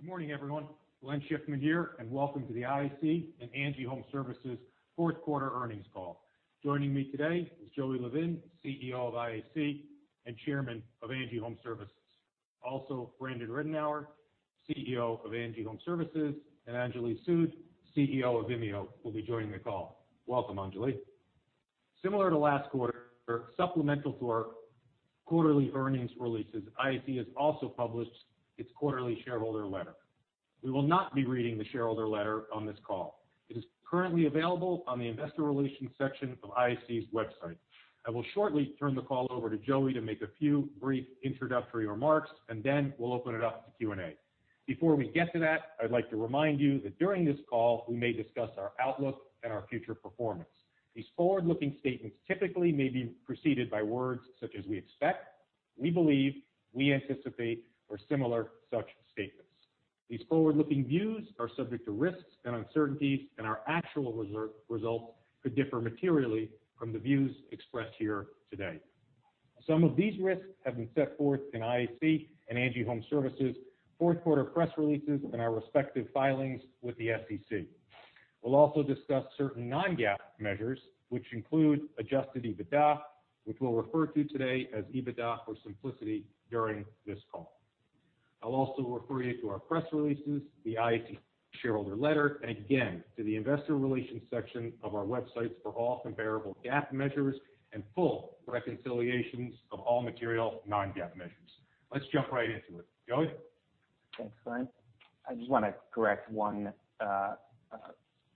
Good morning, everyone. Glenn Schiffman here, and welcome to the IAC and ANGI Homeservices fourth quarter earnings call. Joining me today is Joey Levin, CEO of IAC and Chairman of ANGI Homeservices. Also, Brandon Ridenour, CEO of ANGI Homeservices, and Anjali Sud, CEO of Vimeo, will be joining the call. Welcome, Anjali. Similar to last quarter, supplemental to our quarterly earnings releases, IAC has also published its quarterly shareholder letter. We will not be reading the shareholder letter on this call. It is currently available on the investor relations section of IAC's website. I will shortly turn the call over to Joey to make a few brief introductory remarks, and then we'll open it up to Q&A. Before we get to that, I'd like to remind you that during this call, we may discuss our outlook and our future performance. These forward-looking statements typically may be preceded by words such as "we expect," "we believe," "we anticipate," or similar such statements. These forward-looking views are subject to risks and uncertainties, and our actual results could differ materially from the views expressed here today. Some of these risks have been set forth in IAC and ANGI Homeservices' fourth quarter press releases and our respective filings with the SEC. We'll also discuss certain non-GAAP measures, which include adjusted EBITDA, which we'll refer to today as EBITDA for simplicity during this call. I'll also refer you to our press releases, the IAC shareholder letter, and again, to the investor relations section of our websites for all comparable GAAP measures and full reconciliations of all material non-GAAP measures. Let's jump right into it. Joey? Thanks, Glenn. I just want to correct one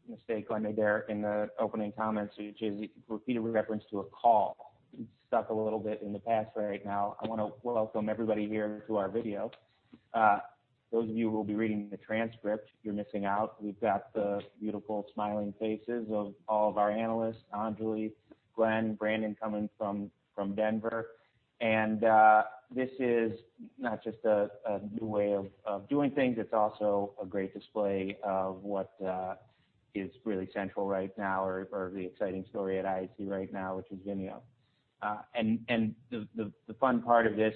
mistake I made there in the opening comments, which is repeated reference to a call. I'm stuck a little bit in the past right now. I want to welcome everybody here to our video. Those of you who will be reading the transcript, you're missing out. We've got the beautiful smiling faces of all of our analysts, Anjali, Glenn, Brandon coming from Denver. This is not just a new way of doing things, it's also a great display of what is really central right now or the exciting story at IAC right now, which is Vimeo. The fun part of this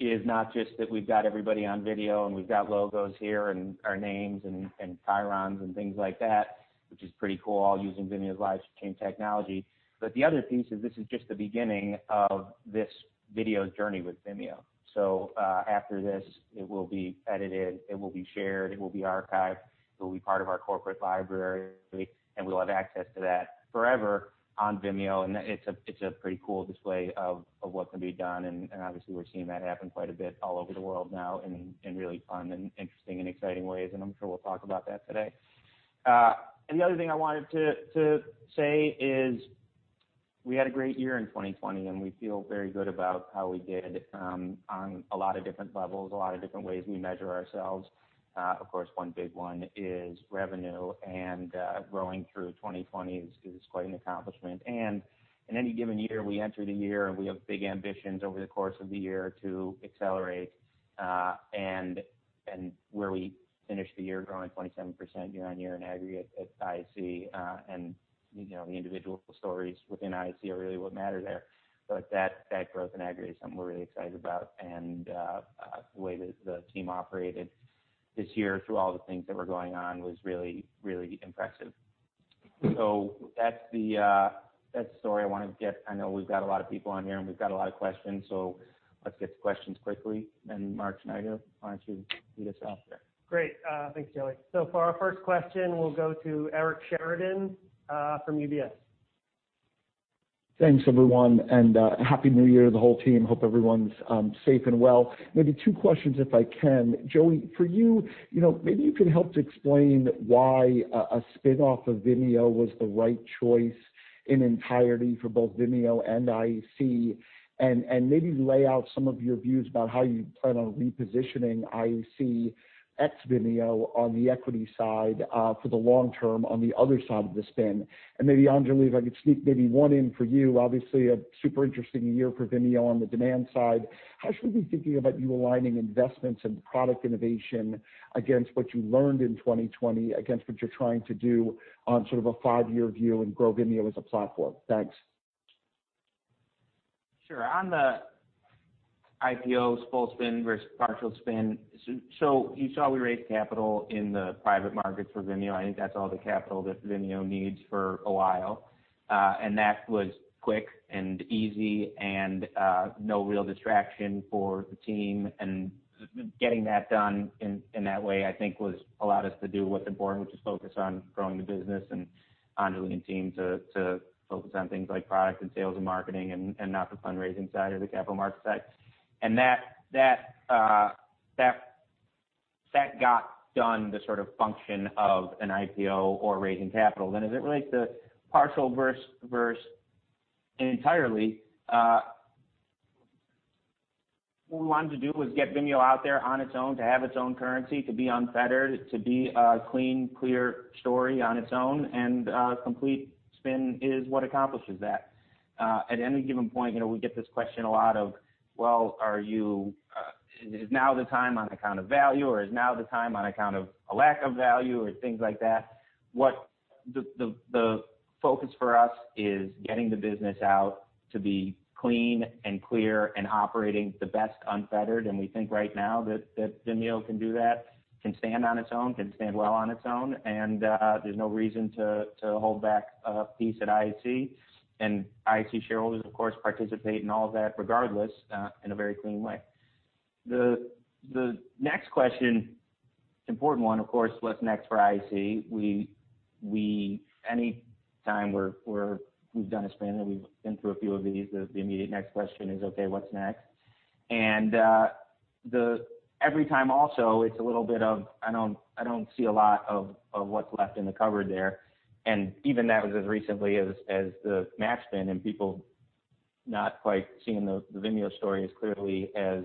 is not just that we've got everybody on video and we've got logos here and our names and chyrons and things like that, which is pretty cool, all using Vimeo's Livestream technology. The other piece is this is just the beginning of this video's journey with Vimeo. After this, it will be edited, it will be shared, it will be archived, it'll be part of our corporate library, and we'll have access to that forever on Vimeo. It's a pretty cool display of what can be done, and obviously, we're seeing that happen quite a bit all over the world now in really fun and interesting and exciting ways. I'm sure we'll talk about that today. The other thing I wanted to say is we had a great year in 2020, and we feel very good about how we did on a lot of different levels, a lot of different ways we measure ourselves. Of course, one big one is revenue, and growing through 2020 is quite an accomplishment. In any given year, we enter the year, and we have big ambitions over the course of the year to accelerate, and where we finish the year growing 27% year-on-year in aggregate at IAC. The individual stories within IAC are really what matter there. That growth in aggregate is something we're really excited about. The way that the team operated this year through all the things that were going on was really impressive. That's the story I wanted to get. I know we've got a lot of people on here, and we've got a lot of questions, so let's get to questions quickly. Mark Schneider, why don't you lead us off there? Great. Thanks, Joey. For our first question, we'll go to Eric Sheridan from UBS. Thanks, everyone, and Happy New Year to the whole team. Hope everyone's safe and well. Maybe two questions if I can. Joey, for you, maybe you could help to explain why a spin-off of Vimeo was the right choice in entirety for both Vimeo and IAC, and maybe lay out some of your views about how you plan on repositioning IAC ex-Vimeo on the equity side for the long term on the other side of the spin. Maybe Anjali, if I could sneak maybe one in for you, obviously, a super interesting year for Vimeo on the demand side. How should we be thinking about you aligning investments and product innovation against what you learned in 2020, against what you're trying to do on sort of a five-year view and grow Vimeo as a platform? Thanks. Sure. On the IPO, full spin versus partial spin, you saw we raised capital in the private markets for Vimeo. I think that's all the capital that Vimeo needs for a while. That was quick and easy and no real distraction for the team. Getting that done in that way, I think, allowed us to do what the board, which is focused on growing the business and Anjali and team to focus on things like product and sales and marketing and not the fundraising side or the capital markets side. That got done the sort of function of an IPO or raising capital. As it relates to partial versus entirely, all we wanted to do was get Vimeo out there on its own, to have its own currency, to be unfettered, to be a clean, clear story on its own, and a complete spin is what accomplishes that. At any given point, we get this question a lot of, well, is now the time on account of value, or is now the time on account of a lack of value, or things like that. The focus for us is getting the business out to be clean and clear and operating the best unfettered. We think right now that Vimeo can do that, can stand on its own, can stand well on its own. There's no reason to hold back a piece at IAC. IAC shareholders, of course, participate in all of that regardless, in a very clean way. The next question, important one, of course, what's next for IAC? Any time we've done a spin and we've been through a few of these, the immediate next question is, okay, what's next? Every time also, it's a little bit of I don't see a lot of what's left in the cupboard there. Even that was as recently as the Match spin and people not quite seeing the Vimeo story as clearly as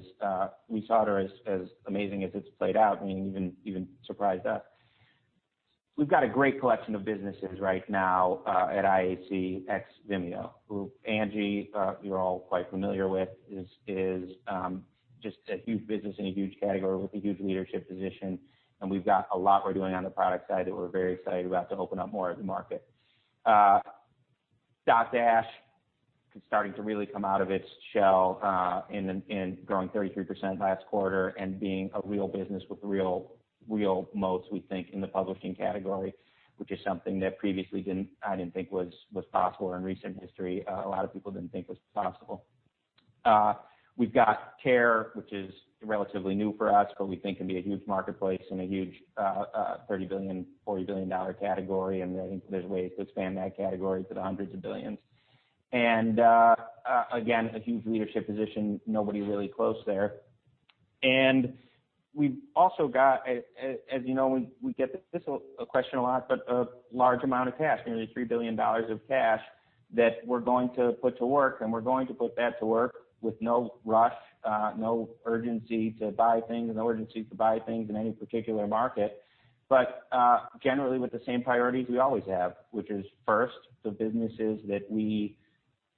we saw, or as amazing as it's played out, meaning it even surprised us. We've got a great collection of businesses right now at IAC, ex-Vimeo. Angi, you're all quite familiar with, is just a huge business in a huge category with a huge leadership position. We've got a lot we're doing on the product side that we're very excited about to open up more of the market. Dotdash is starting to really come out of its shell and growing 33% last quarter and being a real business with real moats, we think, in the publishing category, which is something that previously I didn't think was possible in recent history. A lot of people didn't think was possible. We've got Care, which is relatively new for us, but we think can be a huge marketplace and a huge $30 billion, $40 billion category. I think there's ways to expand that category to the hundreds of billions. Again, a huge leadership position. Nobody really close there. We've also got, as you know, we get this question a lot, but a large amount of cash, nearly $3 billion of cash that we're going to put to work. We're going to put that to work with no rush, no urgency to buy things, no urgency to buy things in any particular market. Generally, with the same priorities we always have. Which is first, the businesses that we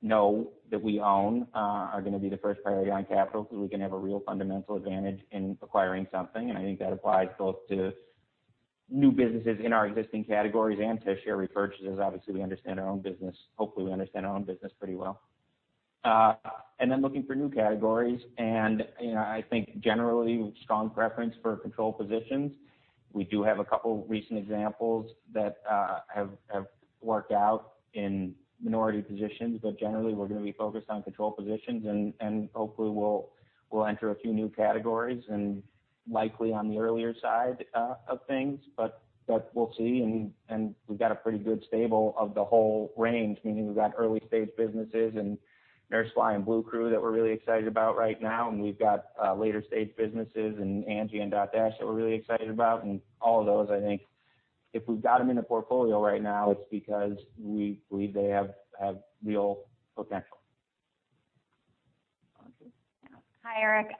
know, that we own, are going to be the first priority on capital because we can have a real fundamental advantage in acquiring something. I think that applies both to new businesses in our existing categories and to share repurchases. Obviously, we understand our own business. Hopefully, we understand our own business pretty well. Then looking for new categories and I think generally strong preference for control positions. We do have a couple recent examples that have worked out in minority positions, but generally we're going to be focused on control positions and hopefully we'll enter a few new categories and likely on the earlier side of things. We'll see, and we've got a pretty good stable of the whole range. Meaning we've got early-stage businesses in NurseFly and Bluecrew that we're really excited about right now. We've got later-stage businesses in Angi and Dotdash that we're really excited about. All of those, I think, if we've got them in the portfolio right now, it's because we believe they have real potential. Hi, Eric.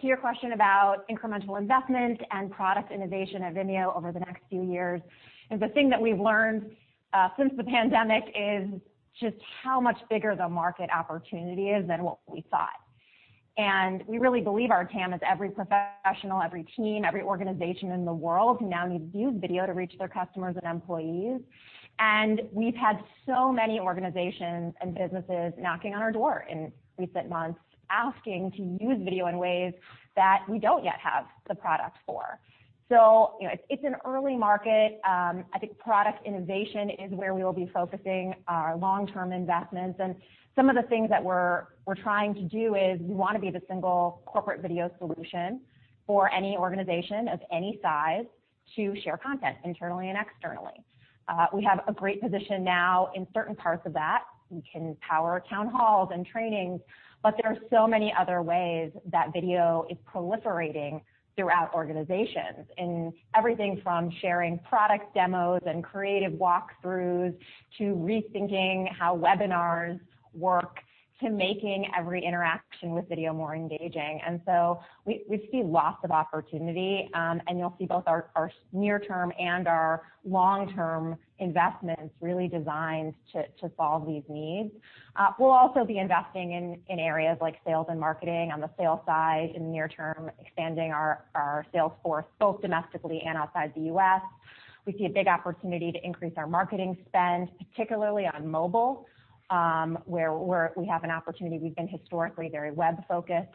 To your question about incremental investment and product innovation at Vimeo over the next few years. The thing that we've learned since the pandemic is just how much bigger the market opportunity is than what we thought. We really believe our TAM is every professional, every team, every organization in the world now needs to use video to reach their customers and employees. We've had so many organizations and businesses knocking on our door in recent months asking to use video in ways that we don't yet have the product for. It's an early market. I think product innovation is where we will be focusing our long-term investments. Some of the things that we're trying to do is we want to be the single corporate video solution for any organization of any size to share content internally and externally. We have a great position now in certain parts of that. We can power town halls and trainings, but there are so many other ways that video is proliferating throughout organizations. In everything from sharing product demos and creative walkthroughs, to rethinking how webinars work, to making every interaction with video more engaging. We see lots of opportunity. You'll see both our near-term and our long-term investments really designed to solve these needs. We'll also be investing in areas like sales and marketing on the sales side in the near term, expanding our sales force both domestically and outside the U.S. We see a big opportunity to increase our marketing spend, particularly on mobile, where we have an opportunity. We've been historically very web-focused.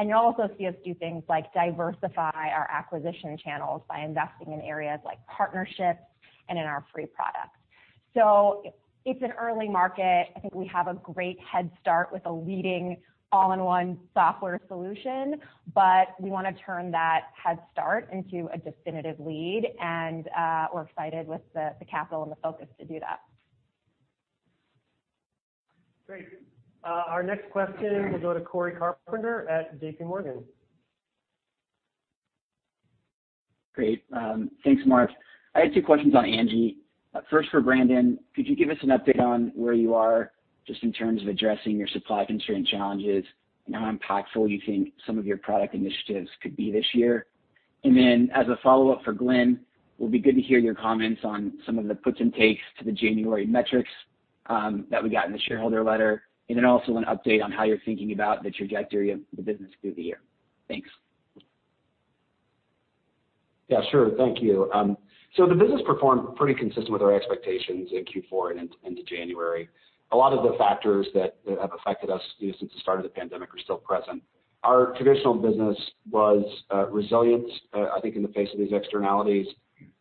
You'll also see us do things like diversify our acquisition channels by investing in areas like partnerships and in our free products. It's an early market. I think we have a great head start with a leading all-in-one software solution, but we want to turn that head start into a definitive lead. We're excited with the capital and the focus to do that. Great. Our next question will go to Cory Carpenter at JPMorgan. Great. Thanks, Mark. I had two questions on Angi. First for Brandon, could you give us an update on where you are just in terms of addressing your supply constraint challenges and how impactful you think some of your product initiatives could be this year? Then as a follow-up for Glenn, it would be good to hear your comments on some of the puts and takes to the January metrics that we got in the shareholder letter. Then also an update on how you're thinking about the trajectory of the business through the year. Thanks. Yeah, sure. Thank you. The business performed pretty consistent with our expectations in Q4 and into January. A lot of the factors that have affected us since the start of the pandemic are still present. Our traditional business was resilient, I think, in the face of these externalities.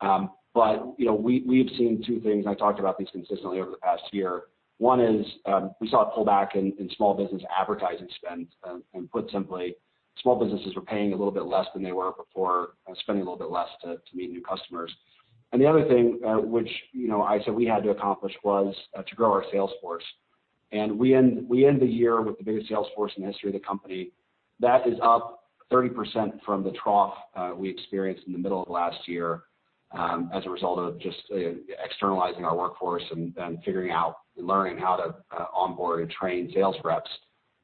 We've seen two things, and I talked about these consistently over the past year. One is we saw a pullback in small business advertising spend, and put simply, small businesses were paying a little bit less than they were before and spending a little bit less to meet new customers. The other thing which I said we had to accomplish was to grow our sales force. We end the year with the biggest sales force in the history of the company. That is up 30% from the trough we experienced in the middle of last year as a result of just externalizing our workforce and then figuring out and learning how to onboard and train sales reps.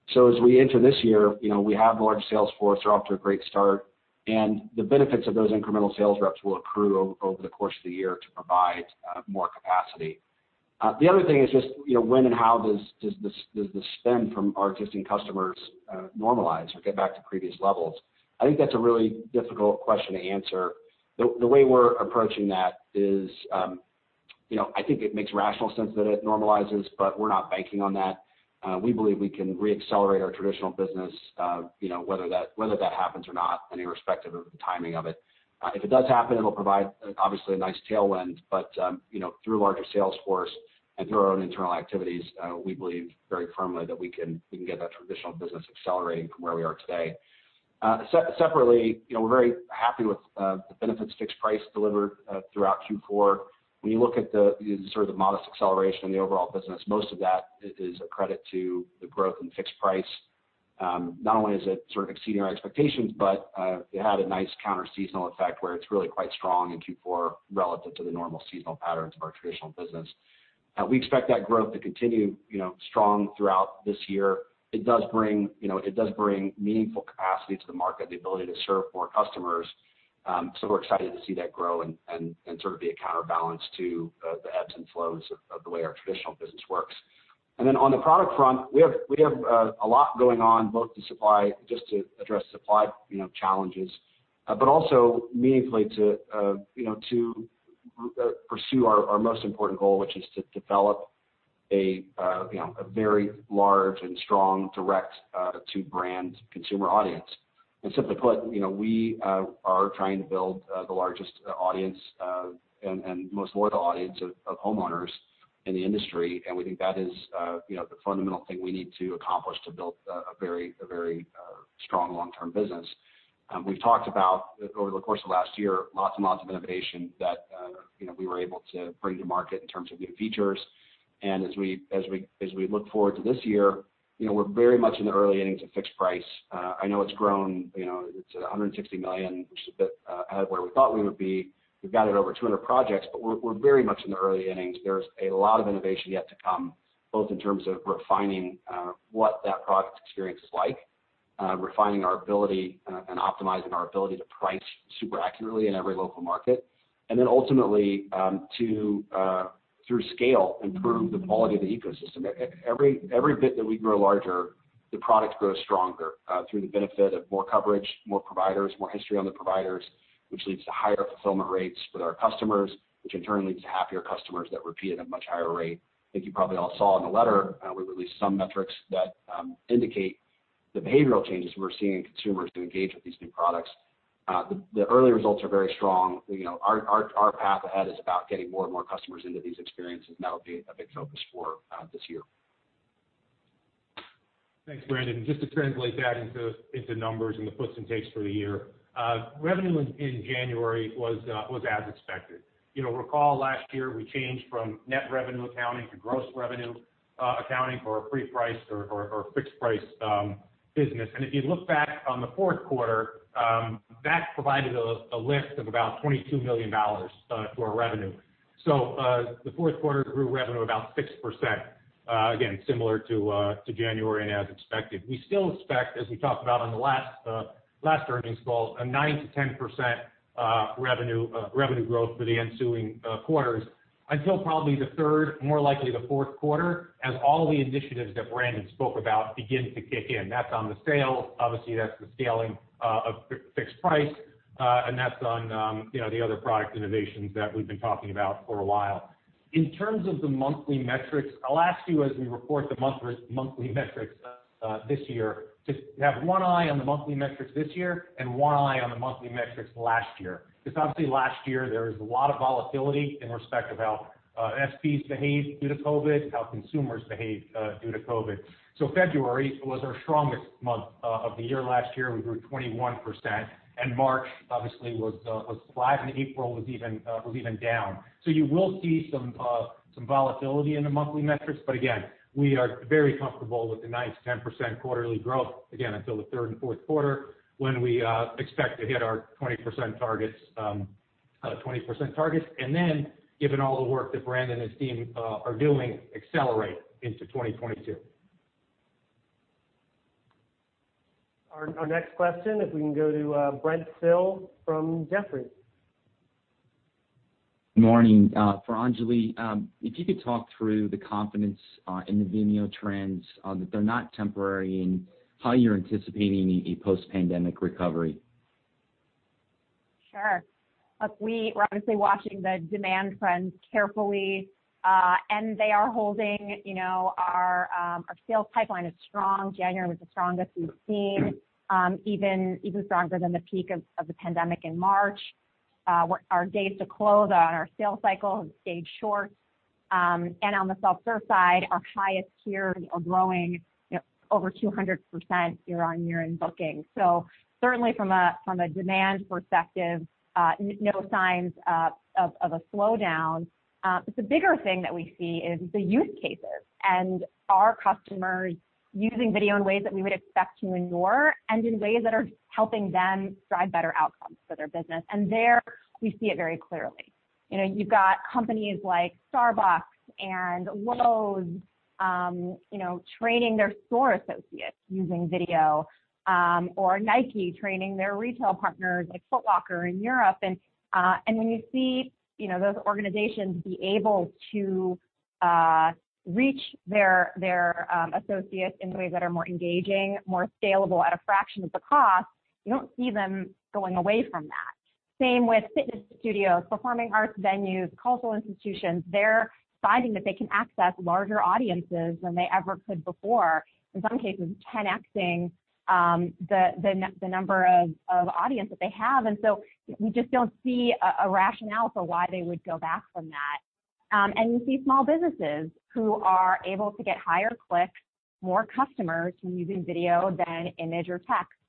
As we enter this year, we have a large sales force. We're off to a great start, and the benefits of those incremental sales reps will accrue over the course of the year to provide more capacity. The other thing is just when and how does the spend from our existing customers normalize or get back to previous levels? I think that's a really difficult question to answer. The way we're approaching that is I think it makes rational sense that it normalizes, but we're not banking on that. We believe we can re-accelerate our traditional business whether that happens or not, and irrespective of the timing of it. If it does happen, it'll provide obviously a nice tailwind. Through a larger sales force and through our own internal activities, we believe very firmly that we can get that traditional business accelerating from where we are today. Separately, we're very happy with the benefits Fixed Price delivered throughout Q4. When you look at the sort of the modest acceleration in the overall business, most of that is a credit to the growth in Fixed Price. Not only is it sort of exceeding our expectations, but it had a nice counter seasonal effect where it's really quite strong in Q4 relative to the normal seasonal patterns of our traditional business. We expect that growth to continue strong throughout this year. It does bring meaningful capacity to the market, the ability to serve more customers. We're excited to see that grow and sort of be a counterbalance to the ebbs and flows of the way our traditional business works. On the product front, we have a lot going on both to supply, just to address supply challenges, but also meaningfully to pursue our most important goal, which is to develop a very large and strong direct-to-brand consumer audience. Simply put, we are trying to build the largest audience and most loyal audience of homeowners in the industry, and we think that is the fundamental thing we need to accomplish to build a very strong long-term business. We've talked about, over the course of last year, lots and lots of innovation that we were able to bring to market in terms of new features. As we look forward to this year, we're very much in the early innings of Fixed Price. I know it's grown. It's at $160 million, which is a bit ahead of where we thought we would be. We've got it over 200 projects, but we're very much in the early innings. There's a lot of innovation yet to come, both in terms of refining what that product experience is like, refining our ability and optimizing our ability to price super accurately in every local market, and then ultimately through scale, improve the quality of the ecosystem. Every bit that we grow larger, the product grows stronger through the benefit of more coverage, more providers, more history on the providers, which leads to higher fulfillment rates with our customers, which in turn leads to happier customers that repeat at a much higher rate. I think you probably all saw in the letter we released some metrics that indicate the behavioral changes we're seeing in consumers who engage with these new products. The early results are very strong. Our path ahead is about getting more and more customers into these experiences, and that'll be a big focus for this year. Thanks, Brandon. To translate that into numbers and the puts and takes for the year. Revenue in January was as expected. Recall last year we changed from net revenue accounting to gross revenue accounting for a Fixed Price business. If you look back on the fourth quarter, that provided a lift of about $22 million to our revenue. The fourth quarter grew revenue about 6%, again, similar to January and as expected. We still expect, as we talked about on the last earnings call, a 9%-10% revenue growth for the ensuing quarters until probably the third, more likely the fourth quarter, as all the initiatives that Brandon spoke about begin to kick in. That's on the sales, obviously that's the scaling of Fixed Price, and that's on the other product innovations that we've been talking about for a while. In terms of the monthly metrics, I'll ask you as we report the monthly metrics this year to have one eye on the monthly metrics this year and one eye on the monthly metrics last year. Obviously last year, there was a lot of volatility in respect of how SPs behaved due to COVID, how consumers behaved due to COVID. February was our strongest month of the year last year. We grew 21%, and March obviously was flat, and April was even down. You will see some volatility in the monthly metrics, but again, we are very comfortable with the 9%-10% quarterly growth again until the third and fourth quarter when we expect to hit our 20% targets. Given all the work that Brandon and his team are doing, accelerate into 2022. Our next question, if we can go to Brent Thill from Jefferies. Morning. For Anjali, if you could talk through the confidence in the Vimeo trends, that they're not temporary, and how you're anticipating a post-pandemic recovery? Sure. Look, we're obviously watching the demand trends carefully. They are holding. Our sales pipeline is strong. January was the strongest we've seen, even stronger than the peak of the pandemic in March. Our days to close on our sales cycle have stayed short. On the self-serve side, our highest tiers are growing over 200% year-on-year in bookings. Certainly, from a demand perspective, no signs of a slowdown. The bigger thing that we see is the use cases, and our customers using video in ways that we would expect to endure and in ways that are helping them drive better outcomes for their business. There, we see it very clearly. You've got companies like Starbucks and Lowe's training their store associates using video, or Nike training their retail partners like Foot Locker in Europe. When you see those organizations be able to reach their associates in ways that are more engaging, more scalable at a fraction of the cost, you don't see them going away from that. Same with fitness studios, performing arts venues, cultural institutions. They're finding that they can access larger audiences than they ever could before. In some cases, 10x-ing the number of audience that they have. So we just don't see a rationale for why they would go back from that. You see small businesses who are able to get higher clicks, more customers from using video than image or text.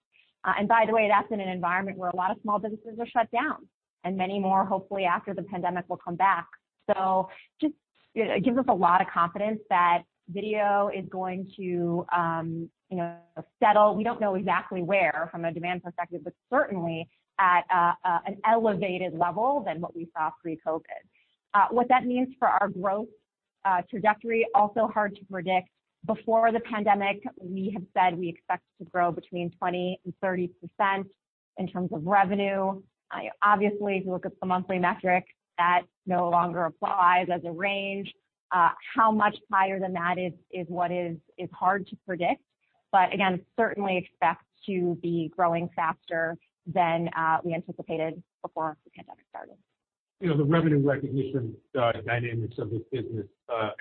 By the way, that's in an environment where a lot of small businesses are shut down, and many more, hopefully, after the pandemic will come back. It gives us a lot of confidence that video is going to settle, we don't know exactly where from a demand perspective, but certainly at an elevated level than what we saw pre-COVID. What that means for our growth trajectory, also hard to predict. Before the pandemic, we had said we expect to grow between 20% and 30% in terms of revenue. Obviously, if you look at the monthly metrics, that no longer applies as a range. How much higher than that is what is hard to predict. Certainly expect to be growing faster than we anticipated before the pandemic started. The revenue recognition dynamics of this business,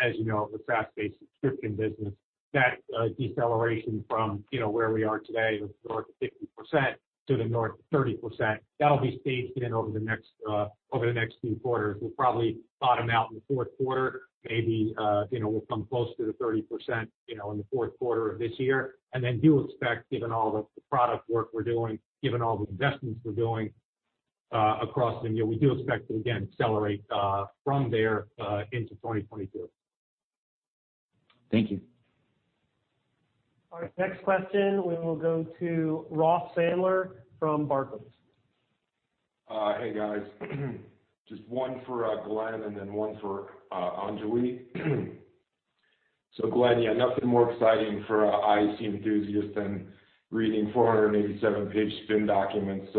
as you know, the SaaS-based subscription business, that deceleration from where we are today with north of 50% to the north of 30%, that'll be staged in over the next few quarters. We'll probably bottom out in the fourth quarter, maybe we'll come close to the 30% in the fourth quarter of this year. Then do expect, given all the product work we're doing, given all the investments we're doing across Vimeo, we do expect to, again, accelerate from there into 2022. Thank you. Our next question, we will go to Ross Sandler from Barclays. Hey, guys. Just one for Glenn and then one for Anjali. Glenn, yeah, nothing more exciting for an IAC enthusiast than reading 487-page spin documents.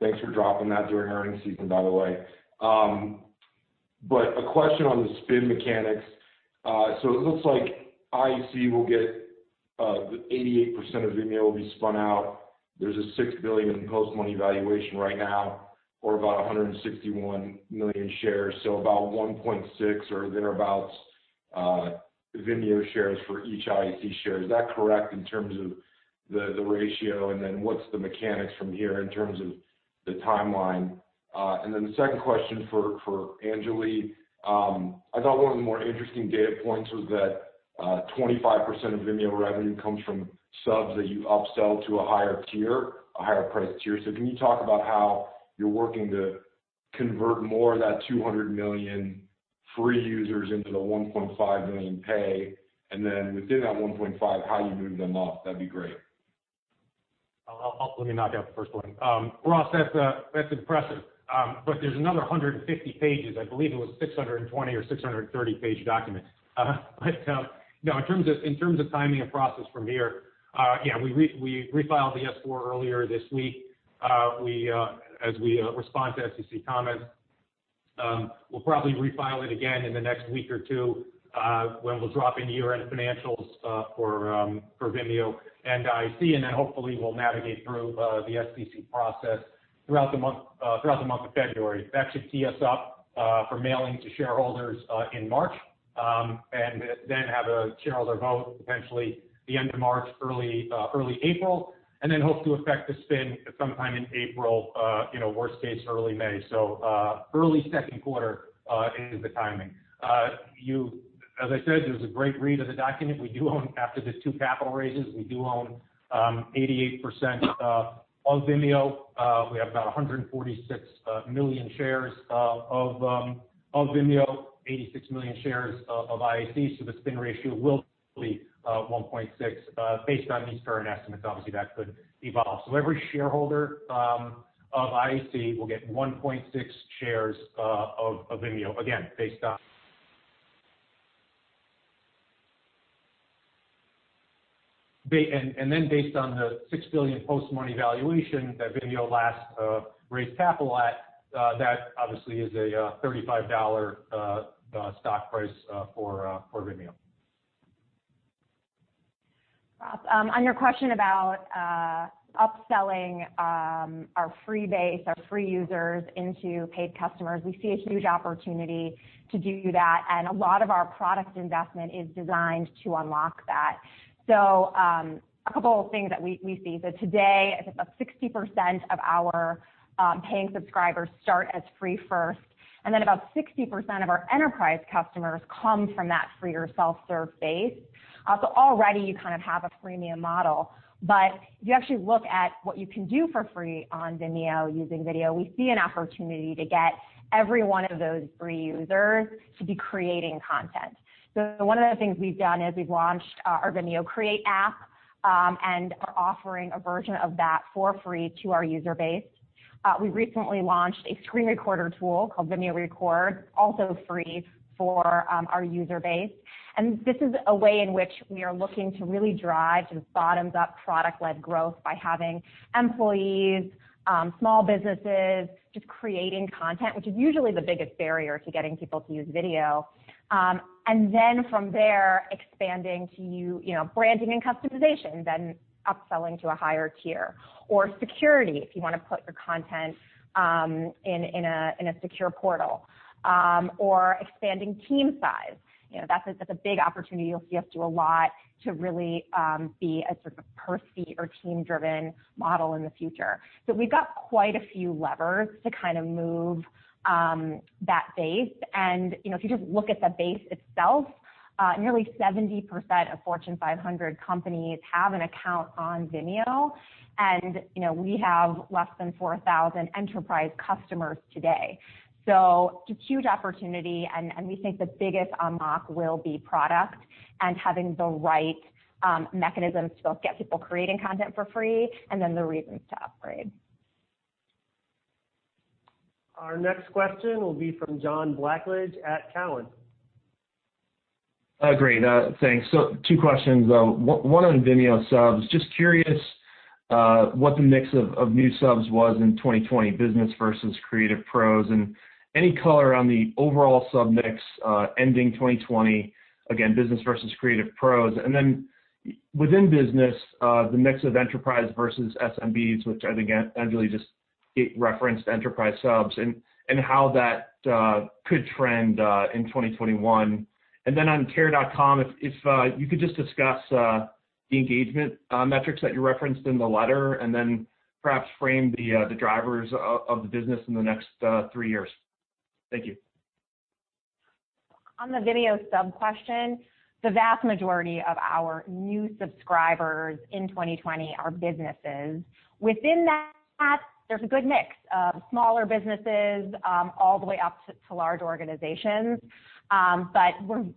Thanks for dropping that during earnings season, by the way. A question on the spin mechanics. It looks like IAC will get 88% of Vimeo will be spun out. There's a $6 billion post-money valuation right now, or about 161 million shares, about $1.6 or thereabouts Vimeo shares for each IAC share. Is that correct in terms of the ratio? What's the mechanics from here in terms of the timeline? The second question for Anjali. I thought one of the more interesting data points was that 25% of Vimeo revenue comes from subs that you upsell to a higher tier, a higher-priced tier. Can you talk about how you're working to convert more of that 200 million free users into the 1.5 million pay? Within that 1.5, how you move them up? That'd be great. Let me knock out the first one. Ross, that's impressive. There's another 150 pages. I believe it was 620 or 630-page document. In terms of timing and process from here, yeah, we refiled the S-4 earlier this week. As we respond to SEC comments, we'll probably refile it again in the next week or two, when we're dropping the year-end financials for Vimeo and IAC, and then hopefully we'll navigate through the SEC process throughout the month of February. That should tee us up for mailing to shareholders in March, and then have a shareholder vote potentially the end of March, early April, and then hope to effect the spin sometime in April, worst case, early May. Early second quarter is the timing. As I said, it was a great read of the document. After the two capital raises, we do own 88% of Vimeo. We have about 146 million shares of Vimeo, 86 million shares of IAC, so the spin ratio will be 1.6 based on these current estimates. Obviously, that could evolve. Every shareholder of IAC will get 1.6 shares of Vimeo. Based on the $6 billion post-money valuation that Vimeo last raised capital at, that obviously is a $35 stock price for Vimeo. Ross Sandler, on your question about upselling our free base, our free users into paid customers, we see a huge opportunity to do that, and a lot of our product investment is designed to unlock that. A couple of things that we see. Today, I think about 60% of our paying subscribers start as free first, and then about 60% of our enterprise customers come from that free or self-serve base. Already you kind of have a freemium model. If you actually look at what you can do for free on Vimeo using video, we see an opportunity to get every one of those free users to be creating content. One of the things we've done is we've launched our Vimeo Create app, and are offering a version of that for free to our user base. We recently launched a screen recorder tool called Vimeo Record, also free for our user base. This is a way in which we are looking to really drive just bottoms-up product-led growth by having employees, small businesses just creating content, which is usually the biggest barrier to getting people to use video. From there, expanding to branding and customization, then upselling to a higher tier. Security, if you want to put your content in a secure portal. Expanding team size. That's a big opportunity. You'll see us do a lot to really be a sort of per-seat or team-driven model in the future. We've got quite a few levers to kind of move that base. If you just look at the base itself, nearly 70% of Fortune 500 companies have an account on Vimeo. We have less than 4,000 enterprise customers today. It's a huge opportunity, and we think the biggest unlock will be product and having the right mechanisms to both get people creating content for free and then the reasons to upgrade. Our next question will be from John Blackledge at Cowen. Great. Thanks. Two questions. One on Vimeo subs. Just curious what the mix of new subs was in 2020, business versus creative pros, and any color on the overall sub mix ending 2020, again, business versus creative pros. Within business, the mix of enterprise versus SMBs, which I think Anjali just referenced enterprise subs, and how that could trend in 2021. On Care.com, if you could just discuss the engagement metrics that you referenced in the letter and then perhaps frame the drivers of the business in the next three years. Thank you. On the video sub question, the vast majority of our new subscribers in 2020 are businesses. Within that, there's a good mix of smaller businesses all the way up to large organizations.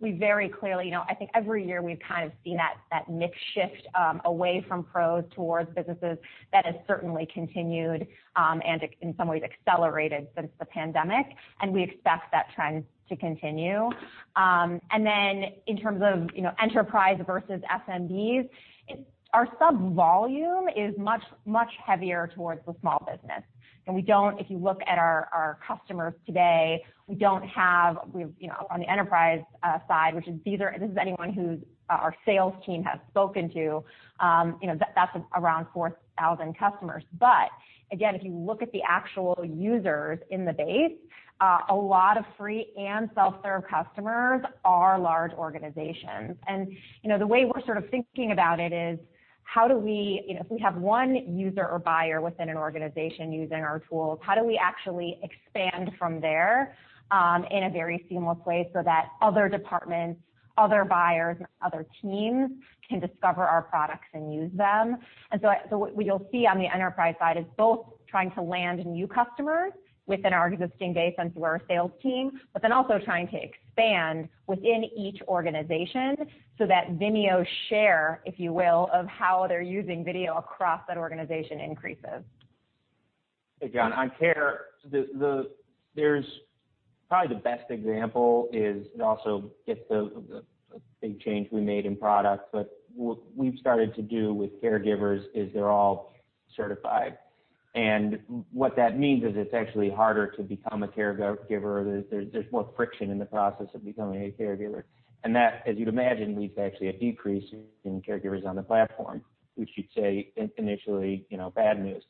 We very clearly, I think every year we've kind of seen that mix shift away from pros towards businesses. That has certainly continued and in some ways accelerated since the pandemic, and we expect that trend to continue. In terms of enterprise versus SMBs, our sub volume is much, much heavier towards the small business. We don't, if you look at our customers today, on the enterprise side, which this is anyone who our sales team has spoken to, that's around 4,000 customers. Again, if you look at the actual users in the base, a lot of free and self-serve customers are large organizations. The way we're sort of thinking about it is, if we have one user or buyer within an organization using our tools, how do we actually expand from there in a very seamless way so that other departments, other buyers, and other teams can discover our products and use them? What you'll see on the enterprise side is both trying to land new customers within our existing base onto our sales team, but then also trying to expand within each organization so that Vimeo's share, if you will, of how they're using video across that organization increases. Hey, John. On Care, probably the best example is, it also gets a big change we made in product, but what we've started to do with caregivers is they're all certified. What that means is it's actually harder to become a caregiver. There's more friction in the process of becoming a caregiver. That, as you'd imagine, leads to actually a decrease in caregivers on the platform, which you'd say initially, bad news.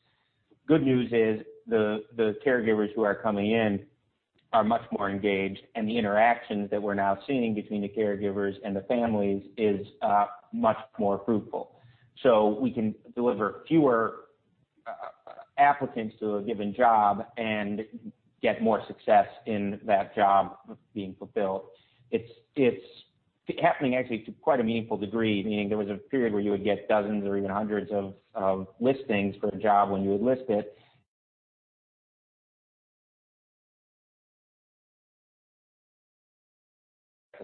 Good news is the caregivers who are coming in are much more engaged, and the interactions that we're now seeing between the caregivers and the families is much more fruitful. We can deliver fewer applicants to a given job and get more success in that job being fulfilled. It's happening actually to quite a meaningful degree, meaning there was a period where you would get dozens or even hundreds of listings for a job when you would list it.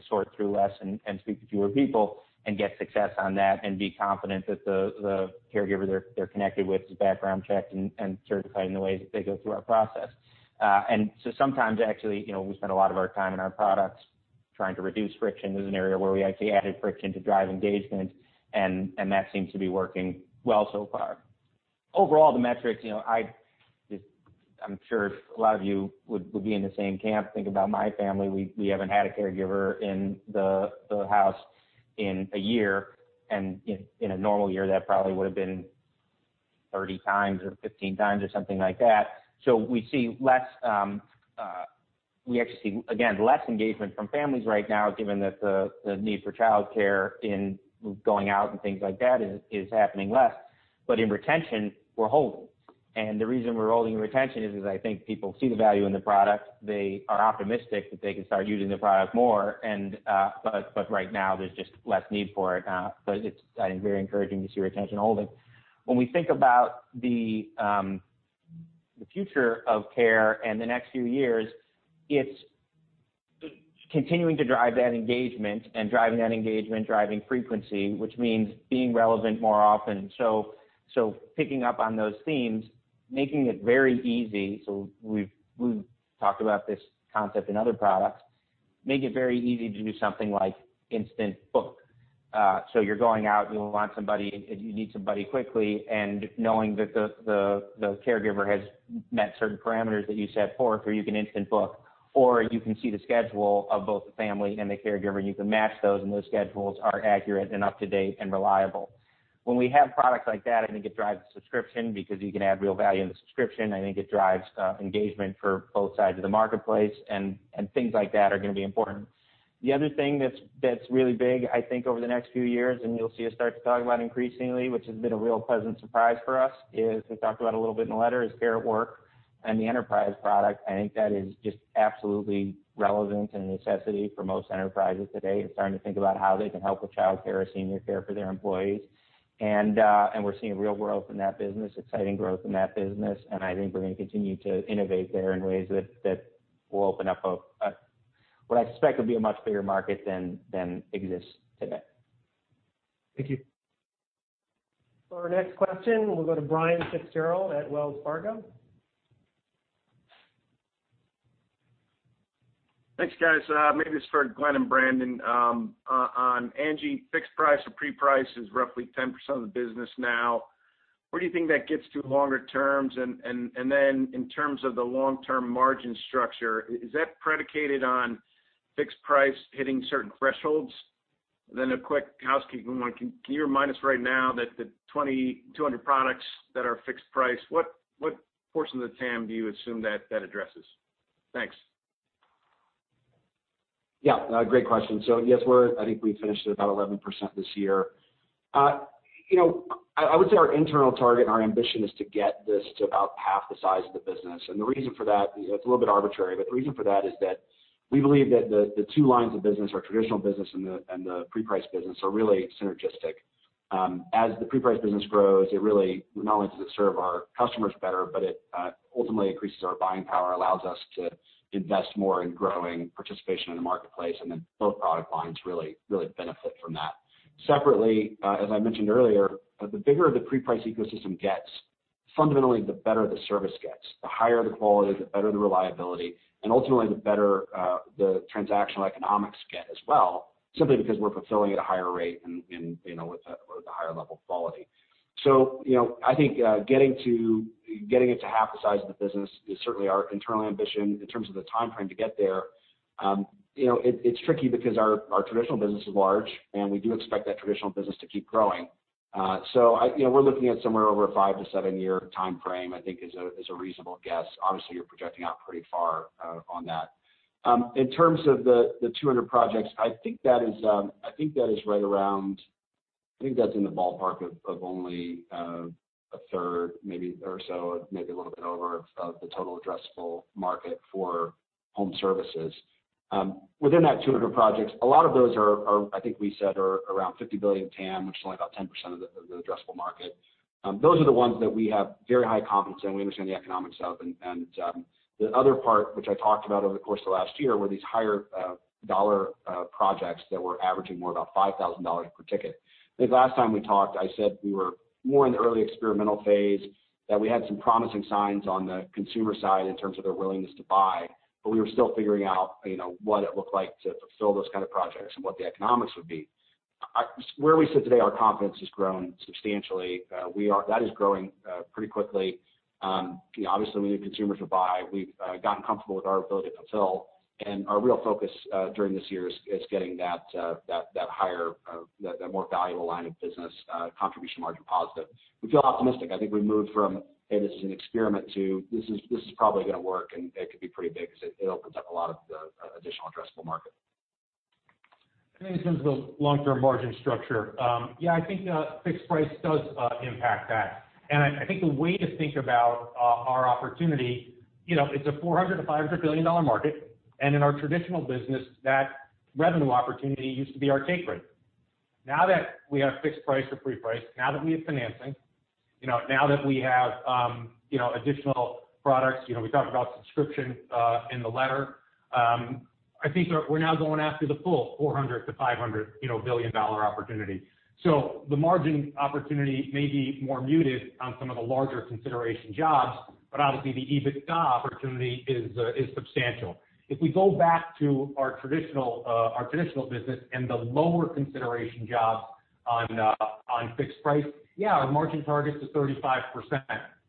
Sort through less and speak to fewer people and get success on that and be confident that the caregiver they're connected with is background checked and certified in the ways that they go through our process. Sometimes actually, we spend a lot of our time in our products trying to reduce friction is an area where we actually added friction to drive engagement, and that seems to be working well so far. Overall, the metrics, I'm sure a lot of you would be in the same camp. Think about my family. We haven't had a caregiver in the house in a year, and in a normal year, that probably would've been 30 times or 15 times or something like that. We actually see, again, less engagement from families right now, given that the need for childcare in going out and things like that is happening less. In retention, we're whole. The reason we're holding retention is I think people see the value in the product. They are optimistic that they can start using the product more. Right now, there's just less need for it. It's, I think, very encouraging to see retention holding. When we think about the future of Care and the next few years, it's continuing to drive that engagement, and driving that engagement, driving frequency, which means being relevant more often. Picking up on those themes, making it very easy. We've talked about this concept in other products, make it very easy to do something like instant book. You're going out, you want somebody, and you need somebody quickly. Knowing that the caregiver has met certain parameters that you set forth where you can instant book, or you can see the schedule of both the family and the caregiver. You can match those, and those schedules are accurate and up-to-date and reliable. When we have products like that, I think it drives subscription because you can add real value in the subscription. I think it drives engagement for both sides of the marketplace, and things like that are gonna be important. The other thing that's really big, I think over the next few years, and you'll see us start to talk about increasingly, which has been a real pleasant surprise for us, is we talked about a little bit in the letter, is Care@Work and the enterprise product. I think that is just absolutely relevant and a necessity for most enterprises today, starting to think about how they can help with childcare or senior care for their employees. We're seeing real growth in that business, exciting growth in that business, and I think we're gonna continue to innovate there in ways that will open up a, what I suspect would be a much bigger market than exists today. Thank you. For our next question, we'll go to Brian Fitzgerald at Wells Fargo. Thanks, guys. Maybe this is for Glenn and Brandon. On Angi, fixed price or pre-priced is roughly 10% of the business now. Where do you think that gets to longer terms? In terms of the long-term margin structure, is that predicated on fixed price hitting certain thresholds? A quick housekeeping one. Can you remind us right now that the 200 products that are fixed price, what portion of the TAM do you assume that addresses? Thanks. Yeah. Great question. Yes, I think we finished at about 11% this year. I would say our internal target and our ambition is to get this to about half the size of the business, and the reason for that, it's a little bit arbitrary, but the reason for that is that we believe that the two lines of business, our traditional business and the pre-priced business, are really synergistic. As the pre-priced business grows, not only does it serve our customers better, but it ultimately increases our buying power, allows us to invest more in growing participation in the marketplace, and then both product lines really benefit from that. Separately, as I mentioned earlier, the bigger the pre-priced ecosystem gets, fundamentally, the better the service gets. The higher the quality, the better the reliability, and ultimately, the better the transactional economics get as well, simply because we're fulfilling at a higher rate and with a higher level of quality. I think getting it to half the size of the business is certainly our internal ambition. In terms of the timeframe to get there, it's tricky because our traditional business is large, and we do expect that traditional business to keep growing. We're looking at somewhere over a five to seven year timeframe, I think is a reasonable guess. Obviously, you're projecting out pretty far on that. In terms of the 200 projects, I think that's in the ballpark of only a third maybe or so, maybe a little bit over, of the total addressable market for home services. Within that 200 projects, a lot of those, I think we said are around $50 billion TAM, which is only about 10% of the addressable market. Those are the ones that we have very high confidence in, we understand the economics of. The other part, which I talked about over the course of last year, were these higher dollar projects that were averaging more about $5,000 per ticket. I think last time we talked, I said we were more in the early experimental phase, that we had some promising signs on the consumer side in terms of their willingness to buy, but we were still figuring out what it looked like to fulfill those kind of projects and what the economics would be. Where we sit today, our confidence has grown substantially. That is growing pretty quickly. Obviously, we need consumers to buy. We've gotten comfortable with our ability to fulfill, and our real focus, during this year, is getting that more valuable line of business, contribution margin positive. We feel optimistic. I think we've moved from, "Hey, this is an experiment," to, "This is probably gonna work, and it could be pretty big because it opens up a lot of additional addressable market. I think in terms of the long-term margin structure, yeah, I think Fixed Price does impact that. The way to think about our opportunity, it's a $400 billion-$500 billion market, and in our traditional business, that revenue opportunity used to be our take rate. Now that we have Fixed Price or pre-priced, now that we have financing, now that we have additional products, we talked about subscription in the letter, I think we're now going after the full $400 billion-$500 billion opportunity. The margin opportunity may be more muted on some of the larger consideration jobs, but obviously the EBITDA opportunity is substantial. If we go back to our traditional business and the lower consideration jobs. On Fixed Price. Yeah, our margin targets to 35%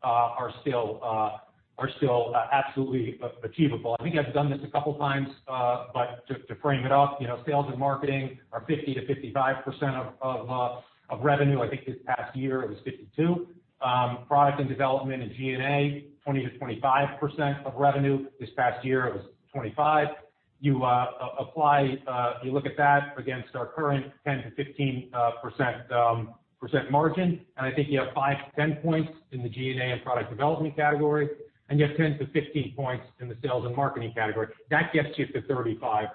are still absolutely achievable. I think I've done this a couple of times, but just to frame it up, sales and marketing are 50%-55% of revenue. I think this past year it was 52%. Product and development and G&A, 20%-25% of revenue. This past year it was 25%. You look at that against our current 10%-15% margin, and I think you have 5-10 points in the G&A and product development category, and you have 10-15 points in the sales and marketing category. That gets you to 35%.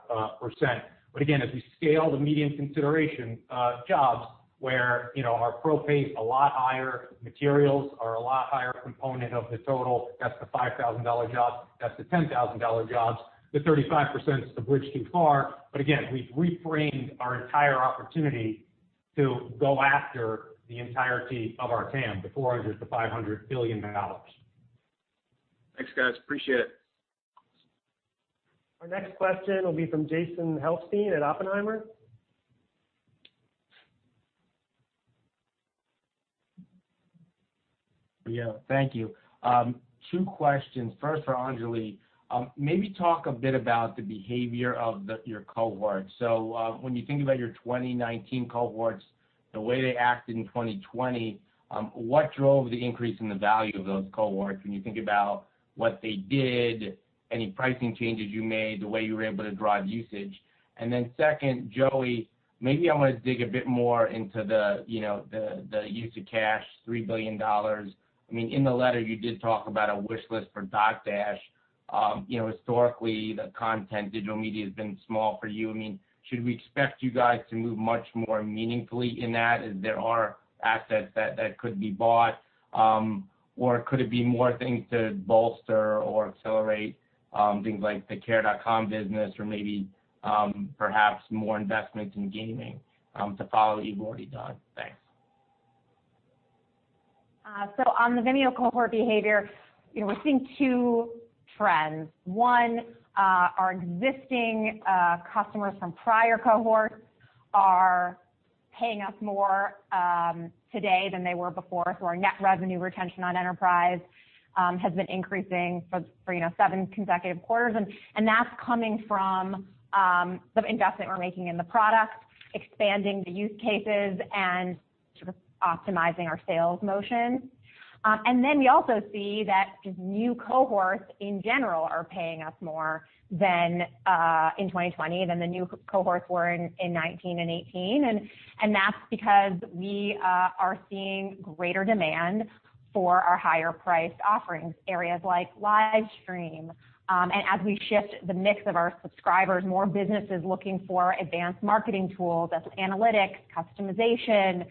Again, as we scale the medium consideration jobs where our pro fee is a lot higher, materials are a lot higher component of the total, that's the $5,000 jobs, that's the $10,000 jobs. The 35% is the bridge too far, but again, we've reframed our entire opportunity to go after the entirety of our TAM, the $400 billion-$500 billion. Thanks, guys. Appreciate it. Our next question will be from Jason Helfstein at Oppenheimer. Yeah. Thank you. Two questions. First for Anjali. Maybe talk a bit about the behavior of your cohort. When you think about your 2019 cohorts, the way they acted in 2020, what drove the increase in the value of those cohorts when you think about what they did, any pricing changes you made, the way you were able to drive usage? Second, Joey, maybe I want to dig a bit more into the use of cash, $3 billion. In the letter, you did talk about a wish list for Dotdash. Historically, the content digital media has been small for you. Should we expect you guys to move much more meaningfully in that if there are assets that could be bought? Could it be more things to bolster or accelerate things like the Care.com business or maybe perhaps more investments in gaming to follow what you've already done? Thanks. On the Vimeo cohort behavior, we're seeing two trends. One, our existing customers from prior cohorts are paying us more today than they were before. Our net revenue retention on enterprise has been increasing for seven consecutive quarters, that's coming from some investment we're making in the product, expanding the use cases, and optimizing our sales motion. We also see that just new cohorts in general are paying us more in 2020 than the new cohorts were in 2019 and 2018. That's because we are seeing greater demand for our higher-priced offerings, areas like Livestream. As we shift the mix of our subscribers, more businesses looking for advanced marketing tools, that's analytics, customization.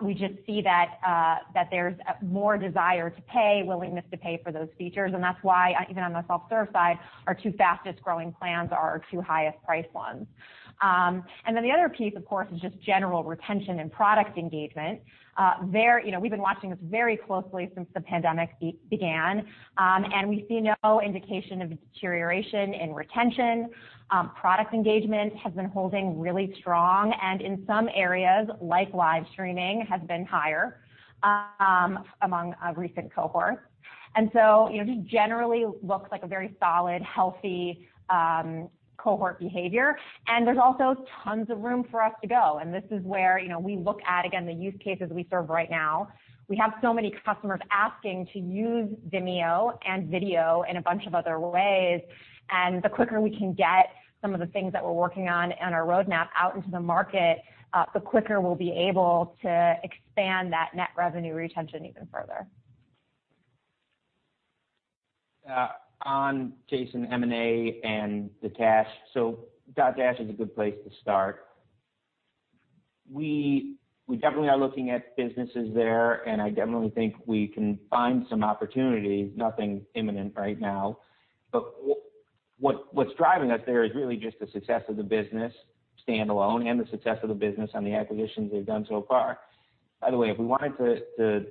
We just see that there's more desire to pay, willingness to pay for those features. That's why even on the self-serve side, our two fastest-growing plans are our two highest-priced ones. Then the other piece, of course, is just general retention and product engagement. We've been watching this very closely since the pandemic began, and we see no indication of a deterioration in retention. Product engagement has been holding really strong, and in some areas, like live streaming, has been higher among recent cohorts. So, just generally looks like a very solid, healthy cohort behavior. There's also tons of room for us to go. This is where we look at, again, the use cases we serve right now. We have so many customers asking to use Vimeo and video in a bunch of other ways. The quicker we can get some of the things that we're working on and our roadmap out into the market, the quicker we'll be able to expand that net revenue retention even further. Jason, M&A and the cash. Dotdash is a good place to start. We definitely are looking at businesses there, and I definitely think we can find some opportunities. Nothing imminent right now, but what's driving us there is really just the success of the business standalone and the success of the business on the acquisitions they've done so far. By the way, if we wanted to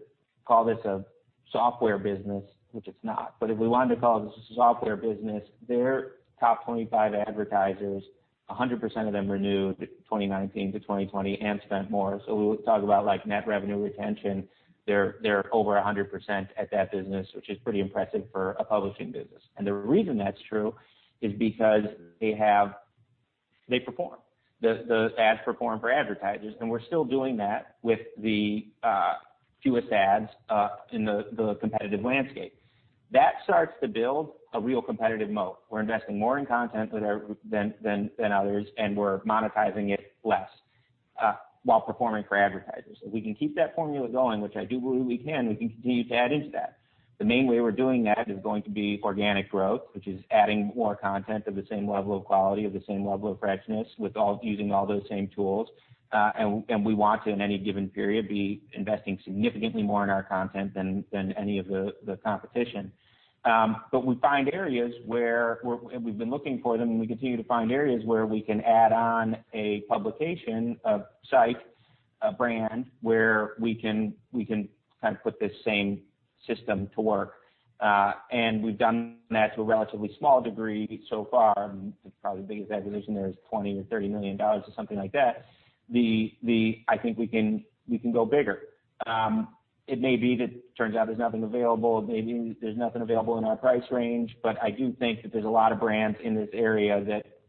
call this a software business, which it's not, but if we wanted to call this a software business, their top 25 advertisers, 100% of them renewed 2019 to 2020 and spent more. We talk about net revenue retention. They're over 100% at that business, which is pretty impressive for a publishing business. The reason that's true is because they perform. The ads perform for advertisers, and we're still doing that with the fewest ads in the competitive landscape. That starts to build a real competitive moat. We're investing more in content than others, and we're monetizing it less while performing for advertisers. If we can keep that formula going, which I do believe we can, we can continue to add into that. The main way we're doing that is going to be organic growth, which is adding more content of the same level of quality, of the same level of freshness, with using all those same tools. We want to, in any given period, be investing significantly more in our content than any of the competition. We find areas where we've been looking for them, and we continue to find areas where we can add on a publication, a site, a brand, where we can put this same System to work. We've done that to a relatively small degree so far. Probably the biggest acquisition there is $20 million-$30 million or something like that. I think we can go bigger. It may be that it turns out there's nothing available, maybe there's nothing available in our price range. I do think that there's a lot of brands in this area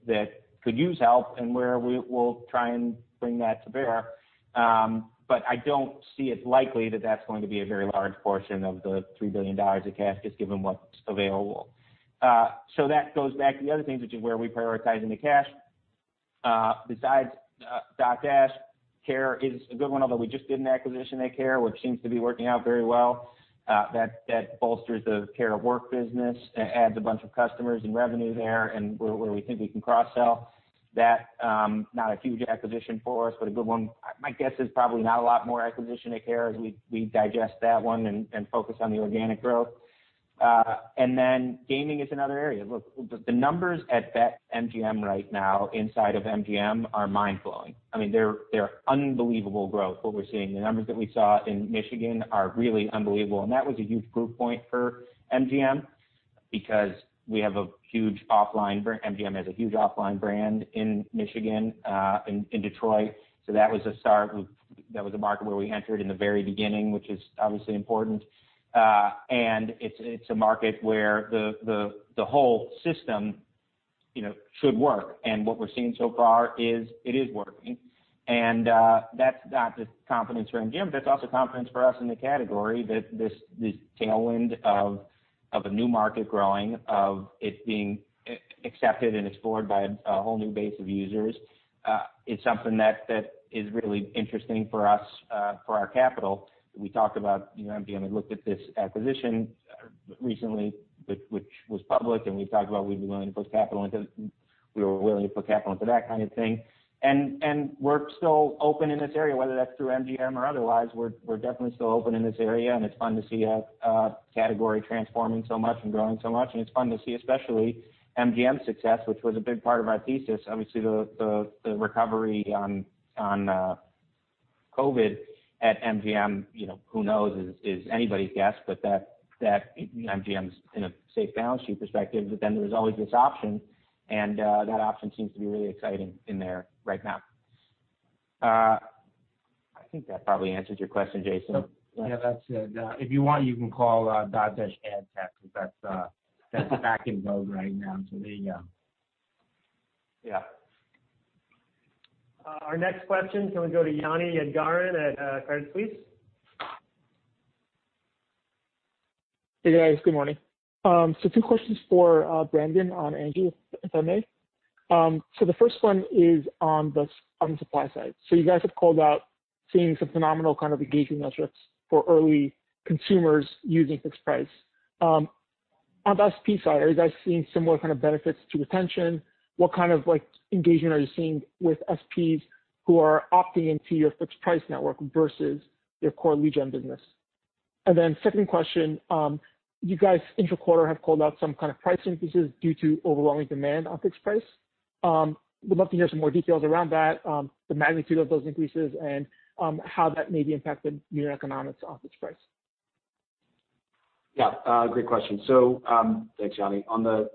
that could use help and where we'll try and bring that to bear. I don't see it likely that's going to be a very large portion of the $3 billion of cash, just given what's available. That goes back to the other things, which is where are we prioritizing the cash? Besides Dotdash, Care is a good one, although we just did an acquisition at Care, which seems to be working out very well. That bolsters the Care@Work business. It adds a bunch of customers and revenue there, where we think we can cross-sell. That, not a huge acquisition for us, but a good one. My guess is probably not a lot more acquisition at Care, as we digest that one and focus on the organic growth. Gaming is another area. Look, the numbers at BetMGM right now inside of MGM are mind-blowing. They're unbelievable growth, what we're seeing. The numbers that we saw in Michigan are really unbelievable, that was a huge proof point for MGM because we have a huge offline brand. MGM has a huge offline brand in Michigan, in Detroit. That was a market where we entered in the very beginning, which is obviously important. It's a market where the whole system should work. What we're seeing so far is it is working. That's not just confidence for MGM, but it's also confidence for us in the category that this tailwind of a new market growing, of it being accepted and explored by a whole new base of users. It's something that is really interesting for us, for our capital. We talked about MGM and looked at this acquisition recently, which was public, and we talked about we'd be willing to put capital into it. We were willing to put capital into that kind of thing. We're still open in this area, whether that's through MGM or otherwise. We're definitely still open in this area, and it's fun to see a category transforming so much and growing so much. It's fun to see, especially MGM's success, which was a big part of our thesis. Obviously, the recovery on COVID at MGM, who knows, is anybody's guess. MGM's in a safe balance sheet perspective. There's always this option, and that option seems to be really exciting in there right now. I think that probably answers your question, Jason. Yeah, that's it. If you want, you can call Dotdash AdTech, because that's the back in vogue right now. Yeah. Our next question, can we go to Yoni Yadgaran at Credit Suisse? Hey, guys. Good morning. Two questions for Brandon on Angi, if I may. The first one is on the supply side. You guys have called out seeing some phenomenal kind of engagement metrics for early consumers using Fixed Price. On the SP side, are you guys seeing similar kind of benefits to retention? What kind of engagement are you seeing with SPs who are opting into your Fixed Price network versus your core lead gen business? Second question, you guys inter-quarter have called out some kind of price increases due to overwhelming demand on Fixed Price. We'd love to hear some more details around that, the magnitude of those increases, and how that maybe impacted your economics on Fixed Price. Yeah. Great question. Thanks, Yoni. On the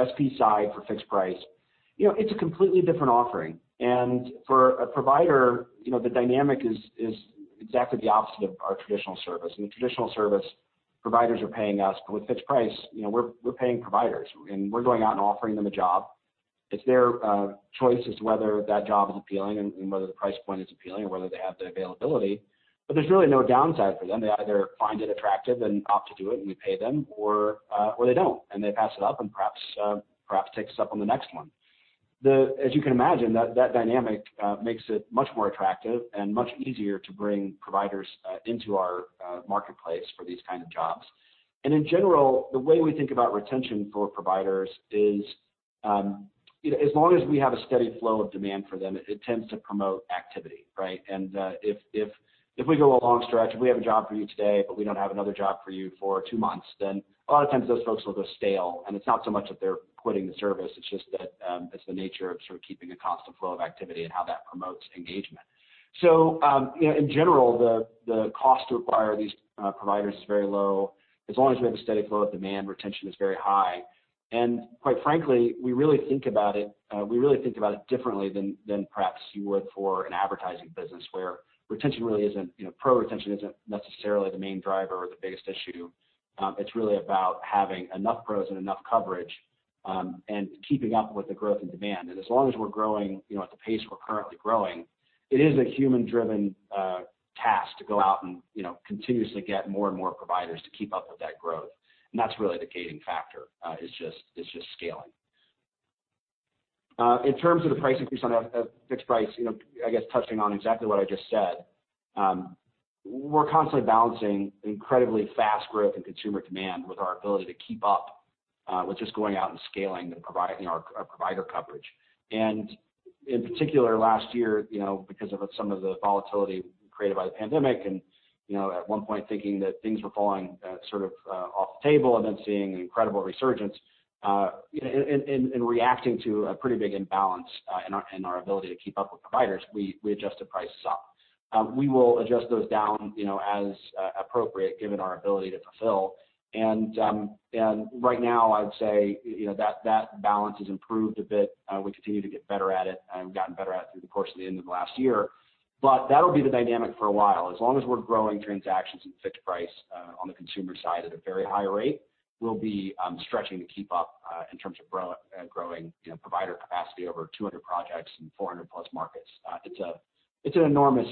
SP side for Fixed Price, it's a completely different offering. For a provider, the dynamic is exactly the opposite of our traditional service. In the traditional service, providers are paying us, but with Fixed Price, we're paying providers. We're going out and offering them a job. It's their choice as to whether that job is appealing and whether the price point is appealing or whether they have the availability. There's really no downside for them. They either find it attractive and opt to do it and we pay them, or they don't, and they pass it up and perhaps take us up on the next one. As you can imagine, that dynamic makes it much more attractive and much easier to bring providers into our marketplace for these kind of jobs. In general, the way we think about retention for providers is as long as we have a steady flow of demand for them, it tends to promote activity, right? If we go a long stretch, if we have a job for you today, but we don't have another job for you for two months, then a lot of times those folks will go stale. It's not so much that they're quitting the service, it's just that it's the nature of sort of keeping a constant flow of activity and how that promotes engagement. In general, the cost to acquire these providers is very low. As long as we have a steady flow of demand, retention is very high. Quite frankly, we really think about it differently than perhaps you would for an advertising business, where pro retention isn't necessarily the main driver or the biggest issue. It's really about having enough pros and enough coverage, and keeping up with the growth and demand. As long as we're growing at the pace we're currently growing, it is a human-driven task to go out and continuously get more and more providers to keep up with that growth. That's really the gating factor, is just scaling. In terms of the price increase on Fixed Price, I guess touching on exactly what I just said. We're constantly balancing incredibly fast growth and consumer demand with our ability to keep up with just going out and scaling and providing our provider coverage. In particular last year, because of some of the volatility created by the pandemic, and at one point thinking that things were falling sort of off the table and then seeing an incredible resurgence, and reacting to a pretty big imbalance in our ability to keep up with providers, we adjusted prices up. We will adjust those down as appropriate given our ability to fulfill. Right now I'd say that balance has improved a bit. We continue to get better at it and have gotten better at it through the course of the end of last year. That'll be the dynamic for a while. As long as we're growing transactions and Fixed Price on the consumer side at a very high rate, we'll be stretching to keep up in terms of growing provider capacity over 200 projects in 400+ markets. It's an enormous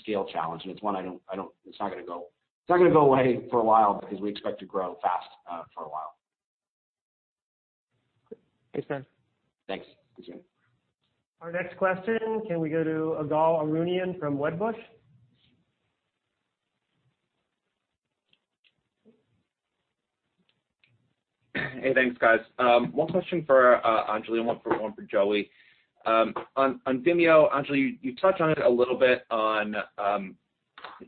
scale challenge, and it's not going to go away for a while because we expect to grow fast for a while. Thanks, Dan. Thanks. Appreciate it. Our next question, can we go to Ygal Arounian from Wedbush? Hey, thanks guys. One question for Anjali and one for Joey. On Vimeo, Anjali, you touched on it a little bit on the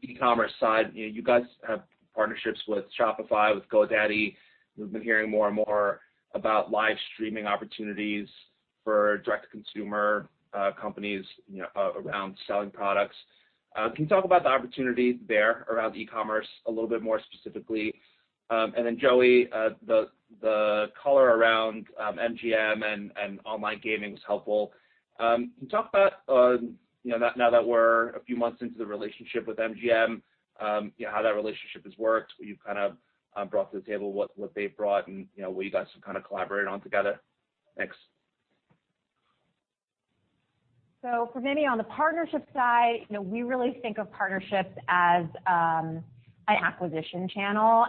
e-commerce side. You guys have partnerships with Shopify, with GoDaddy. We've been hearing more and more about live streaming opportunities for direct consumer companies around selling products. Can you talk about the opportunities there around e-commerce a little bit more specifically? Joey, the color around MGM and online gaming was helpful. Can you talk about, now that we're a few months into the relationship with MGM, how that relationship has worked, what you've brought to the table, what they've brought, and what you guys have collaborated on together? Thanks. For me on the partnership side, we really think of partnerships as an acquisition channel.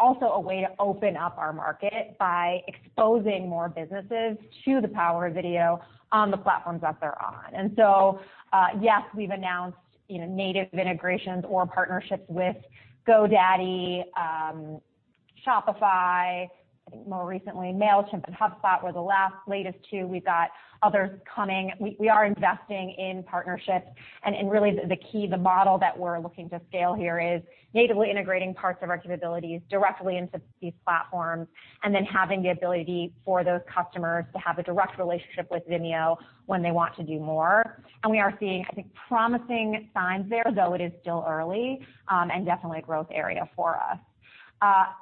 Also a way to open up our market by exposing more businesses to the power of video on the platforms that they're on. Yes, we've announced native integrations or partnerships with GoDaddy, Shopify, I think more recently Mailchimp and HubSpot were the last latest two. We've got others coming. We are investing in partnerships, and really the key, the model that we're looking to scale here is natively integrating parts of our capabilities directly into these platforms, and then having the ability for those customers to have a direct relationship with Vimeo when they want to do more. We are seeing, I think, promising signs there, though it is still early, and definitely a growth area for us.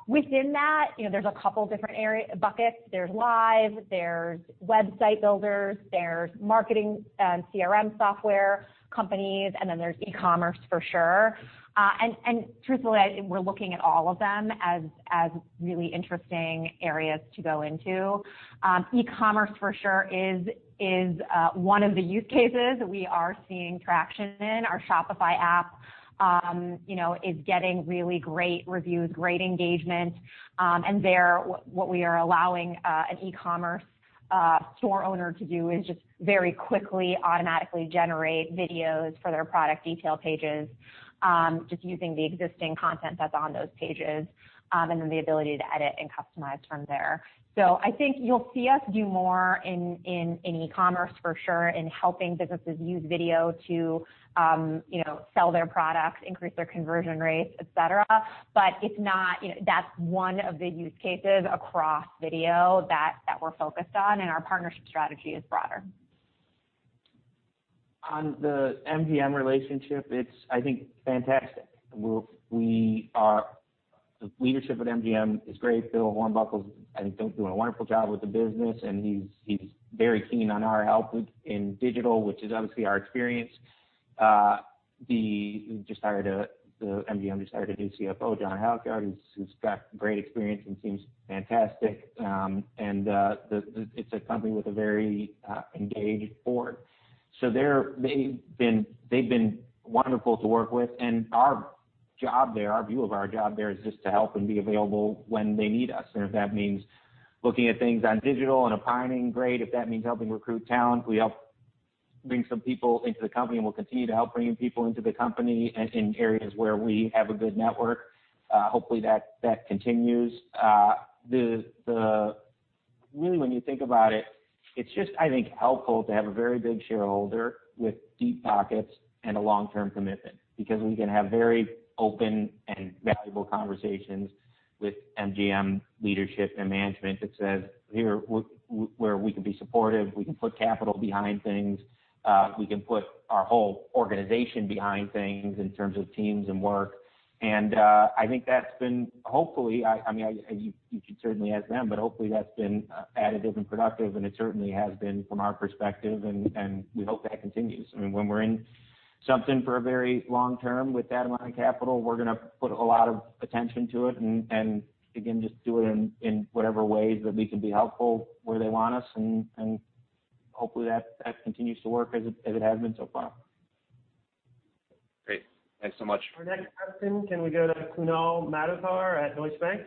Within that, there's a couple different buckets. There's live, there's website builders, there's marketing and CRM software companies, then there's e-commerce for sure. Truthfully, we're looking at all of them as really interesting areas to go into. E-commerce for sure is one of the use cases we are seeing traction in. Our Shopify app is getting really great reviews, great engagement. There, what we are allowing an e-commerce store owner to do is just very quickly, automatically generate videos for their product detail pages, just using the existing content that's on those pages, then the ability to edit and customize from there. I think you'll see us do more in e-commerce for sure, in helping businesses use video to sell their products, increase their conversion rates, et cetera. That's one of the use cases across video that we're focused on, and our partnership strategy is broader. On the MGM relationship, it's I think fantastic. The leadership at MGM is great. Bill Hornbuckle's I think doing a wonderful job with the business, and he's very keen on our help in digital, which is obviously our experience. MGM just hired a new CFO, Jonathan Halkyard, who's got great experience and seems fantastic. It's a company with a very engaged board. They've been wonderful to work with, and our view of our job there is just to help and be available when they need us. If that means looking at things on digital and opining, great. If that means helping recruit talent, we help bring some people into the company and we'll continue to help bring people into the company in areas where we have a good network. Hopefully that continues. Really when you think about it's just I think helpful to have a very big shareholder with deep pockets and a long-term commitment, because we can have very open and valuable conversations with MGM leadership and management that says, "Here's where we could be supportive. We can put capital behind things. We can put our whole organization behind things in terms of teams and work." I think that's been, hopefully, you should certainly ask them, but hopefully that's been additive and productive, and it certainly has been from our perspective, and we hope that continues. When we're in something for a very long term with that amount of capital, we're going to put a lot of attention to it, and again, just do it in whatever ways that we can be helpful where they want us. Hopefully that continues to work as it has been so far. Great. Thanks so much. Our next question, can we go to Kunal Madhukar at Deutsche Bank?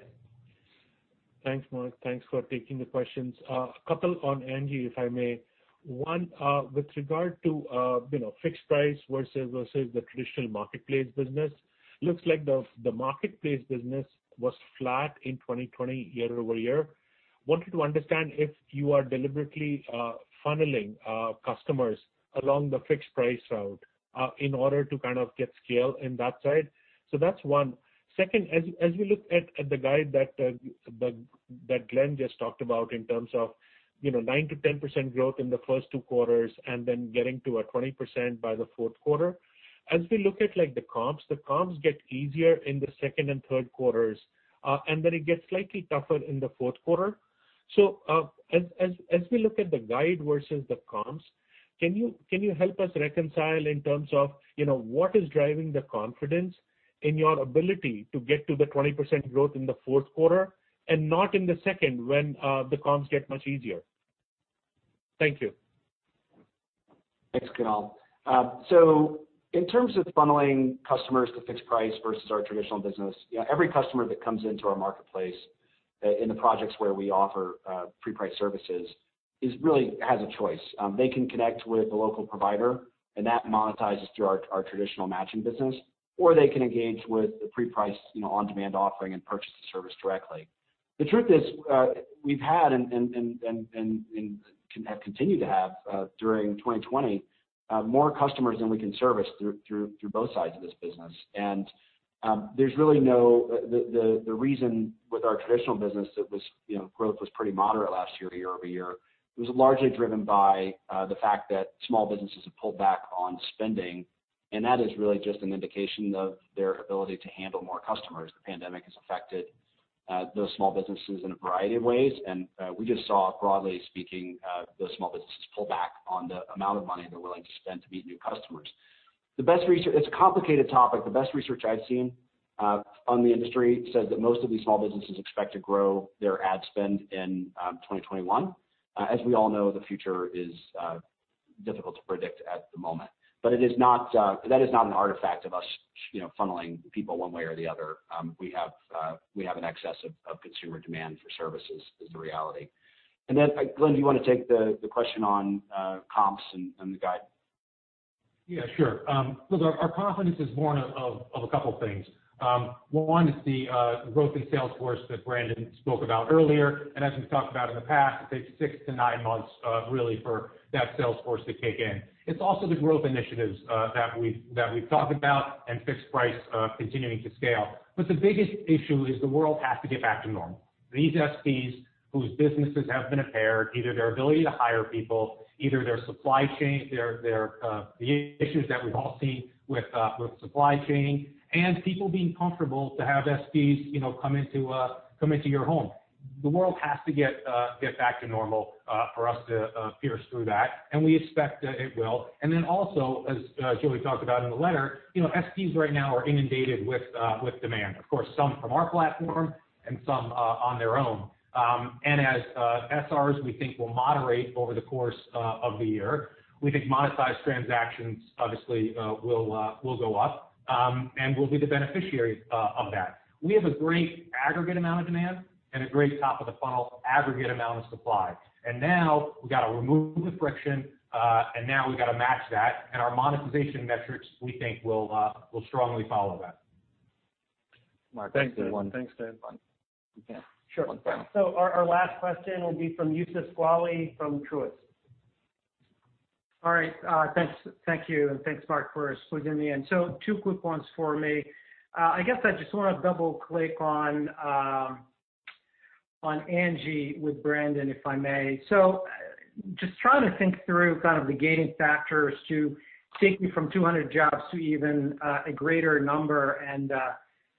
Thanks, Mark. Thanks for taking the questions. A couple on Angi, if I may. One, with regard to Fixed Price versus the traditional marketplace business. Looks like the marketplace business was flat in 2020 year-over-year. Wanted to understand if you are deliberately funneling customers along the Fixed Price route in order to kind of get scale in that side. That's one. Second, as we look at the guide that Glenn just talked about in terms of 9%-10% growth in the first two quarters, and then getting to a 20% by the fourth quarter. As we look at the comps, the comps get easier in the second and third quarters, and then it gets slightly tougher in the fourth quarter. As we look at the guide versus the comps, can you help us reconcile in terms of what is driving the confidence in your ability to get to the 20% growth in the fourth quarter and not in the second, when the comps get much easier? Thank you. Thanks, Kunal. In terms of funneling customers to Fixed Price versus our traditional business, every customer that comes into our marketplace, in the projects where we offer pre-priced services, really has a choice. They can connect with a local provider, and that monetizes through our traditional matching business, or they can engage with the pre-priced on-demand offering and purchase the service directly. The truth is, we've had and continue to have, during 2020, more customers than we can service through both sides of this business. The reason with our traditional business that growth was pretty moderate last year-over-year, it was largely driven by the fact that small businesses have pulled back on spending, and that is really just an indication of their ability to handle more customers. The pandemic has affected those small businesses in a variety of ways, and we just saw, broadly speaking, those small businesses pull back on the amount of money they're willing to spend to meet new customers. It's a complicated topic. The best research I've seen on the industry says that most of these small businesses expect to grow their ad spend in 2021. We all know, the future is difficult to predict at the moment. That is not an artifact of us funneling people one way or the other. We have an excess of consumer demand for services, is the reality. Glenn, do you want to take the question on comps and the guide? Yeah, sure. Look, our confidence is born of a couple of things. One is the growth in sales force that Brandon spoke about earlier. As we've talked about in the past, it takes six to nine months, really, for that sales force to kick in. It's also the growth initiatives that we've talked about and Fixed Price continuing to scale. The biggest issue is the world has to get back to normal. These SPs whose businesses have been impaired, either their ability to hire people, either the issues that we've all seen with supply chain, and people being comfortable to have SPs come into your home. The world has to get back to normal for us to pierce through that, and we expect that it will. Also, as Joey talked about in the letter, SPs right now are inundated with demand. Of course, some from our platform and some on their own. As SRs, we think will moderate over the course of the year. We think monetized transactions, obviously, will go up, and we'll be the beneficiary of that. We have a great aggregate amount of demand and a great top-of-the-funnel aggregate amount of supply. Now we got to remove the friction, and now we've got to match that. Our monetization metrics, we think, will strongly follow that. Mark, good one. Thanks, Glenn. Sure. Our last question will be from Youssef Squali from Truist. All right. Thank you, and thanks, Mark, for squeezing me in. Two quick ones for me. I guess I just want to double-click on Angi with Brandon, if I may. Just trying to think through kind of the gating factors to take you from 200 jobs to even a greater number and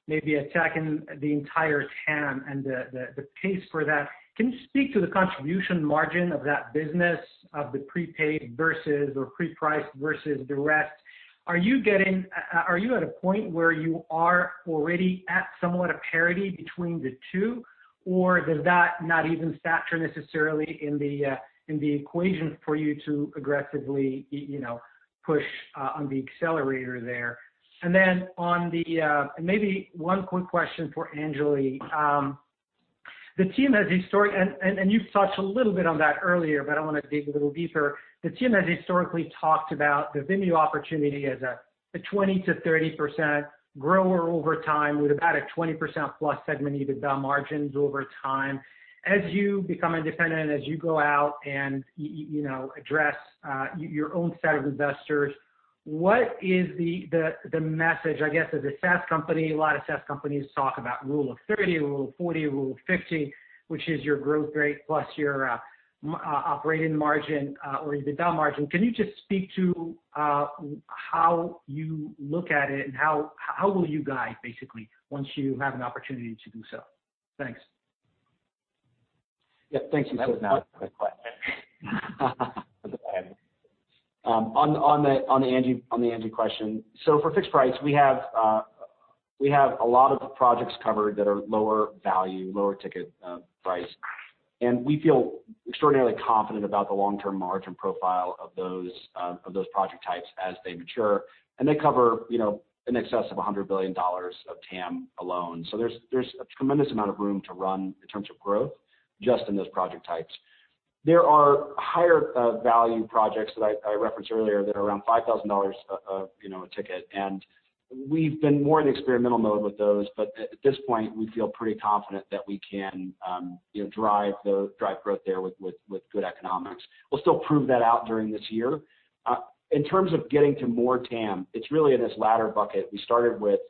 maybe attacking the entire TAM and the pace for that. Can you speak to the contribution margin of that business, of the pre-priced versus, or pre-priced versus the rest? Are you at a point where you are already at somewhat a parity between the two, or does that not even factor necessarily in the equation for you to aggressively push on the accelerator there? Then maybe one quick question for Anjali. You touched a little bit on that earlier, but I want to dig a little deeper. The team has historically talked about the Vimeo opportunity as a 20%-30% grower over time, with about a 20%+ segment EBITDA margins over time. As you become independent, as you go out and address your own set of investors, what is the message, I guess, as a SaaS company? A lot of SaaS companies talk about Rule of 30, Rule of 40, Rule of 50, which is your growth rate plus your operating margin or EBITDA margin. Can you just speak to how you look at it, and how will you guide, basically, once you have an opportunity to do so? Thanks. Yeah. Thanks, Youssef. That was not a quick question. On the Angi question. For Fixed Price, we have a lot of projects covered that are lower value, lower ticket price, and we feel extraordinarily confident about the long-term margin profile of those project types as they mature. They cover in excess of $100 billion of TAM alone. There's a tremendous amount of room to run in terms of growth, just in those project types. There are higher value projects that I referenced earlier that are around $5,000 a ticket, we've been more in experimental mode with those. At this point, we feel pretty confident that we can drive growth there with good economics. We'll still prove that out during this year. In terms of getting to more TAM, it's really in this latter bucket. We started with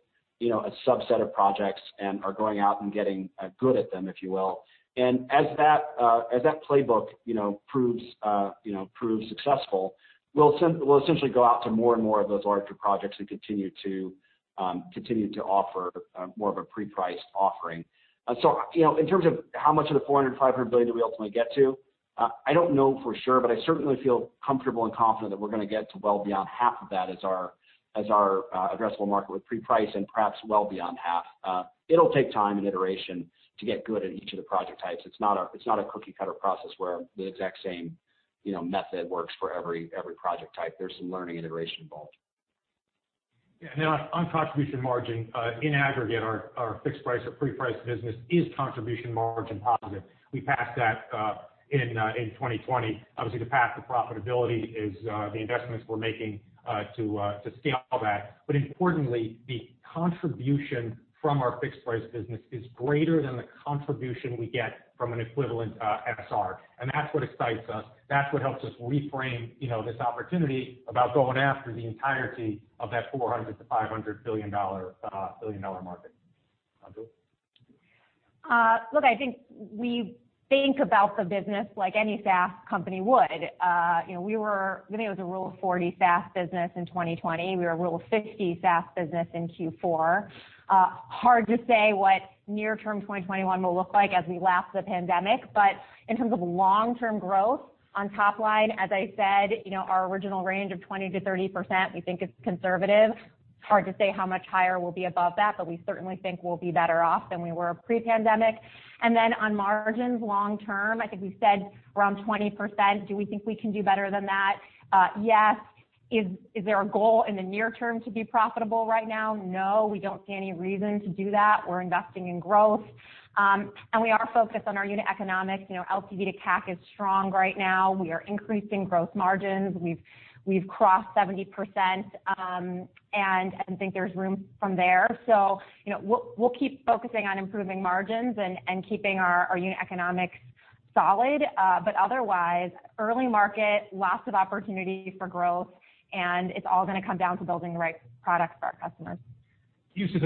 a subset of projects and are going out and getting good at them, if you will. As that playbook proves successful, we'll essentially go out to more and more of those larger projects and continue to offer more of a pre-priced offering. In terms of how much of the $400 billion, $500 billion do we ultimately get to? I don't know for sure, but I certainly feel comfortable and confident that we're going to get to well beyond half of that as our addressable market with pre-price and perhaps well beyond half. It'll take time and iteration to get good at each of the project types. It's not a cookie-cutter process where the exact same method works for every project type. There's some learning and iteration involved. Yeah, on contribution margin, in aggregate, our Fixed Price or pre-priced business is contribution margin positive. We passed that in 2020. Obviously, the path to profitability is the investments we're making to scale that. Importantly, the contribution from our Fixed Price business is greater than the contribution we get from an equivalent SR, and that's what excites us. That's what helps us reframe this opportunity about going after the entirety of that $400 billion-$500 billion market. Anjali? Look, I think we think about the business like any SaaS company would. We were, I think it was a Rule of 40 SaaS business in 2020. We were a Rule of 50 SaaS business in Q4. Hard to say what near term 2021 will look like as we lap the pandemic, but in terms of long-term growth on top line, as I said, our original range of 20% to 30%, we think is conservative. Hard to say how much higher we'll be above that, but we certainly think we'll be better off than we were pre-pandemic. Then on margins long term, I think we said around 20%. Do we think we can do better than that? Yes. Is there a goal in the near term to be profitable right now? No, we don't see any reason to do that. We're investing in growth. We are focused on our unit economics. LTV to CAC is strong right now. We are increasing gross margins. We've crossed 70%, and I think there's room from there. We'll keep focusing on improving margins and keeping our unit economics solid. Otherwise, early market, lots of opportunity for growth, and it's all going to come down to building the right products for our customers. Youssef,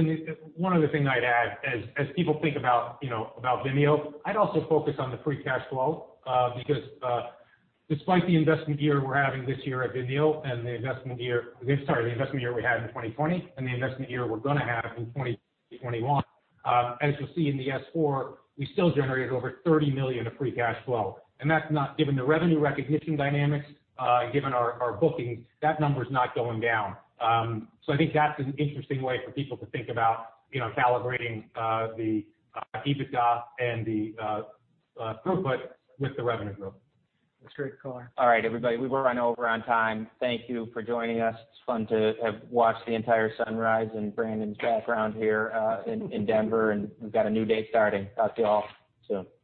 one other thing I'd add as people think about Vimeo, I'd also focus on the free cash flow. Despite the investment year we had in 2020 and the investment year we're going to have in 2021, as you'll see in the S-4, we still generated over $30 million of free cash flow. Given the revenue recognition dynamics and given our bookings, that number's not going down. I think that's an interesting way for people to think about calibrating the EBITDA and the throughput with the revenue growth. That's great color. All right, everybody. We were running over on time. Thank you for joining us. It's fun to have watched the entire sunrise in Brandon's background here in Denver, and we've got a new day starting. Talk to you all soon. Bye.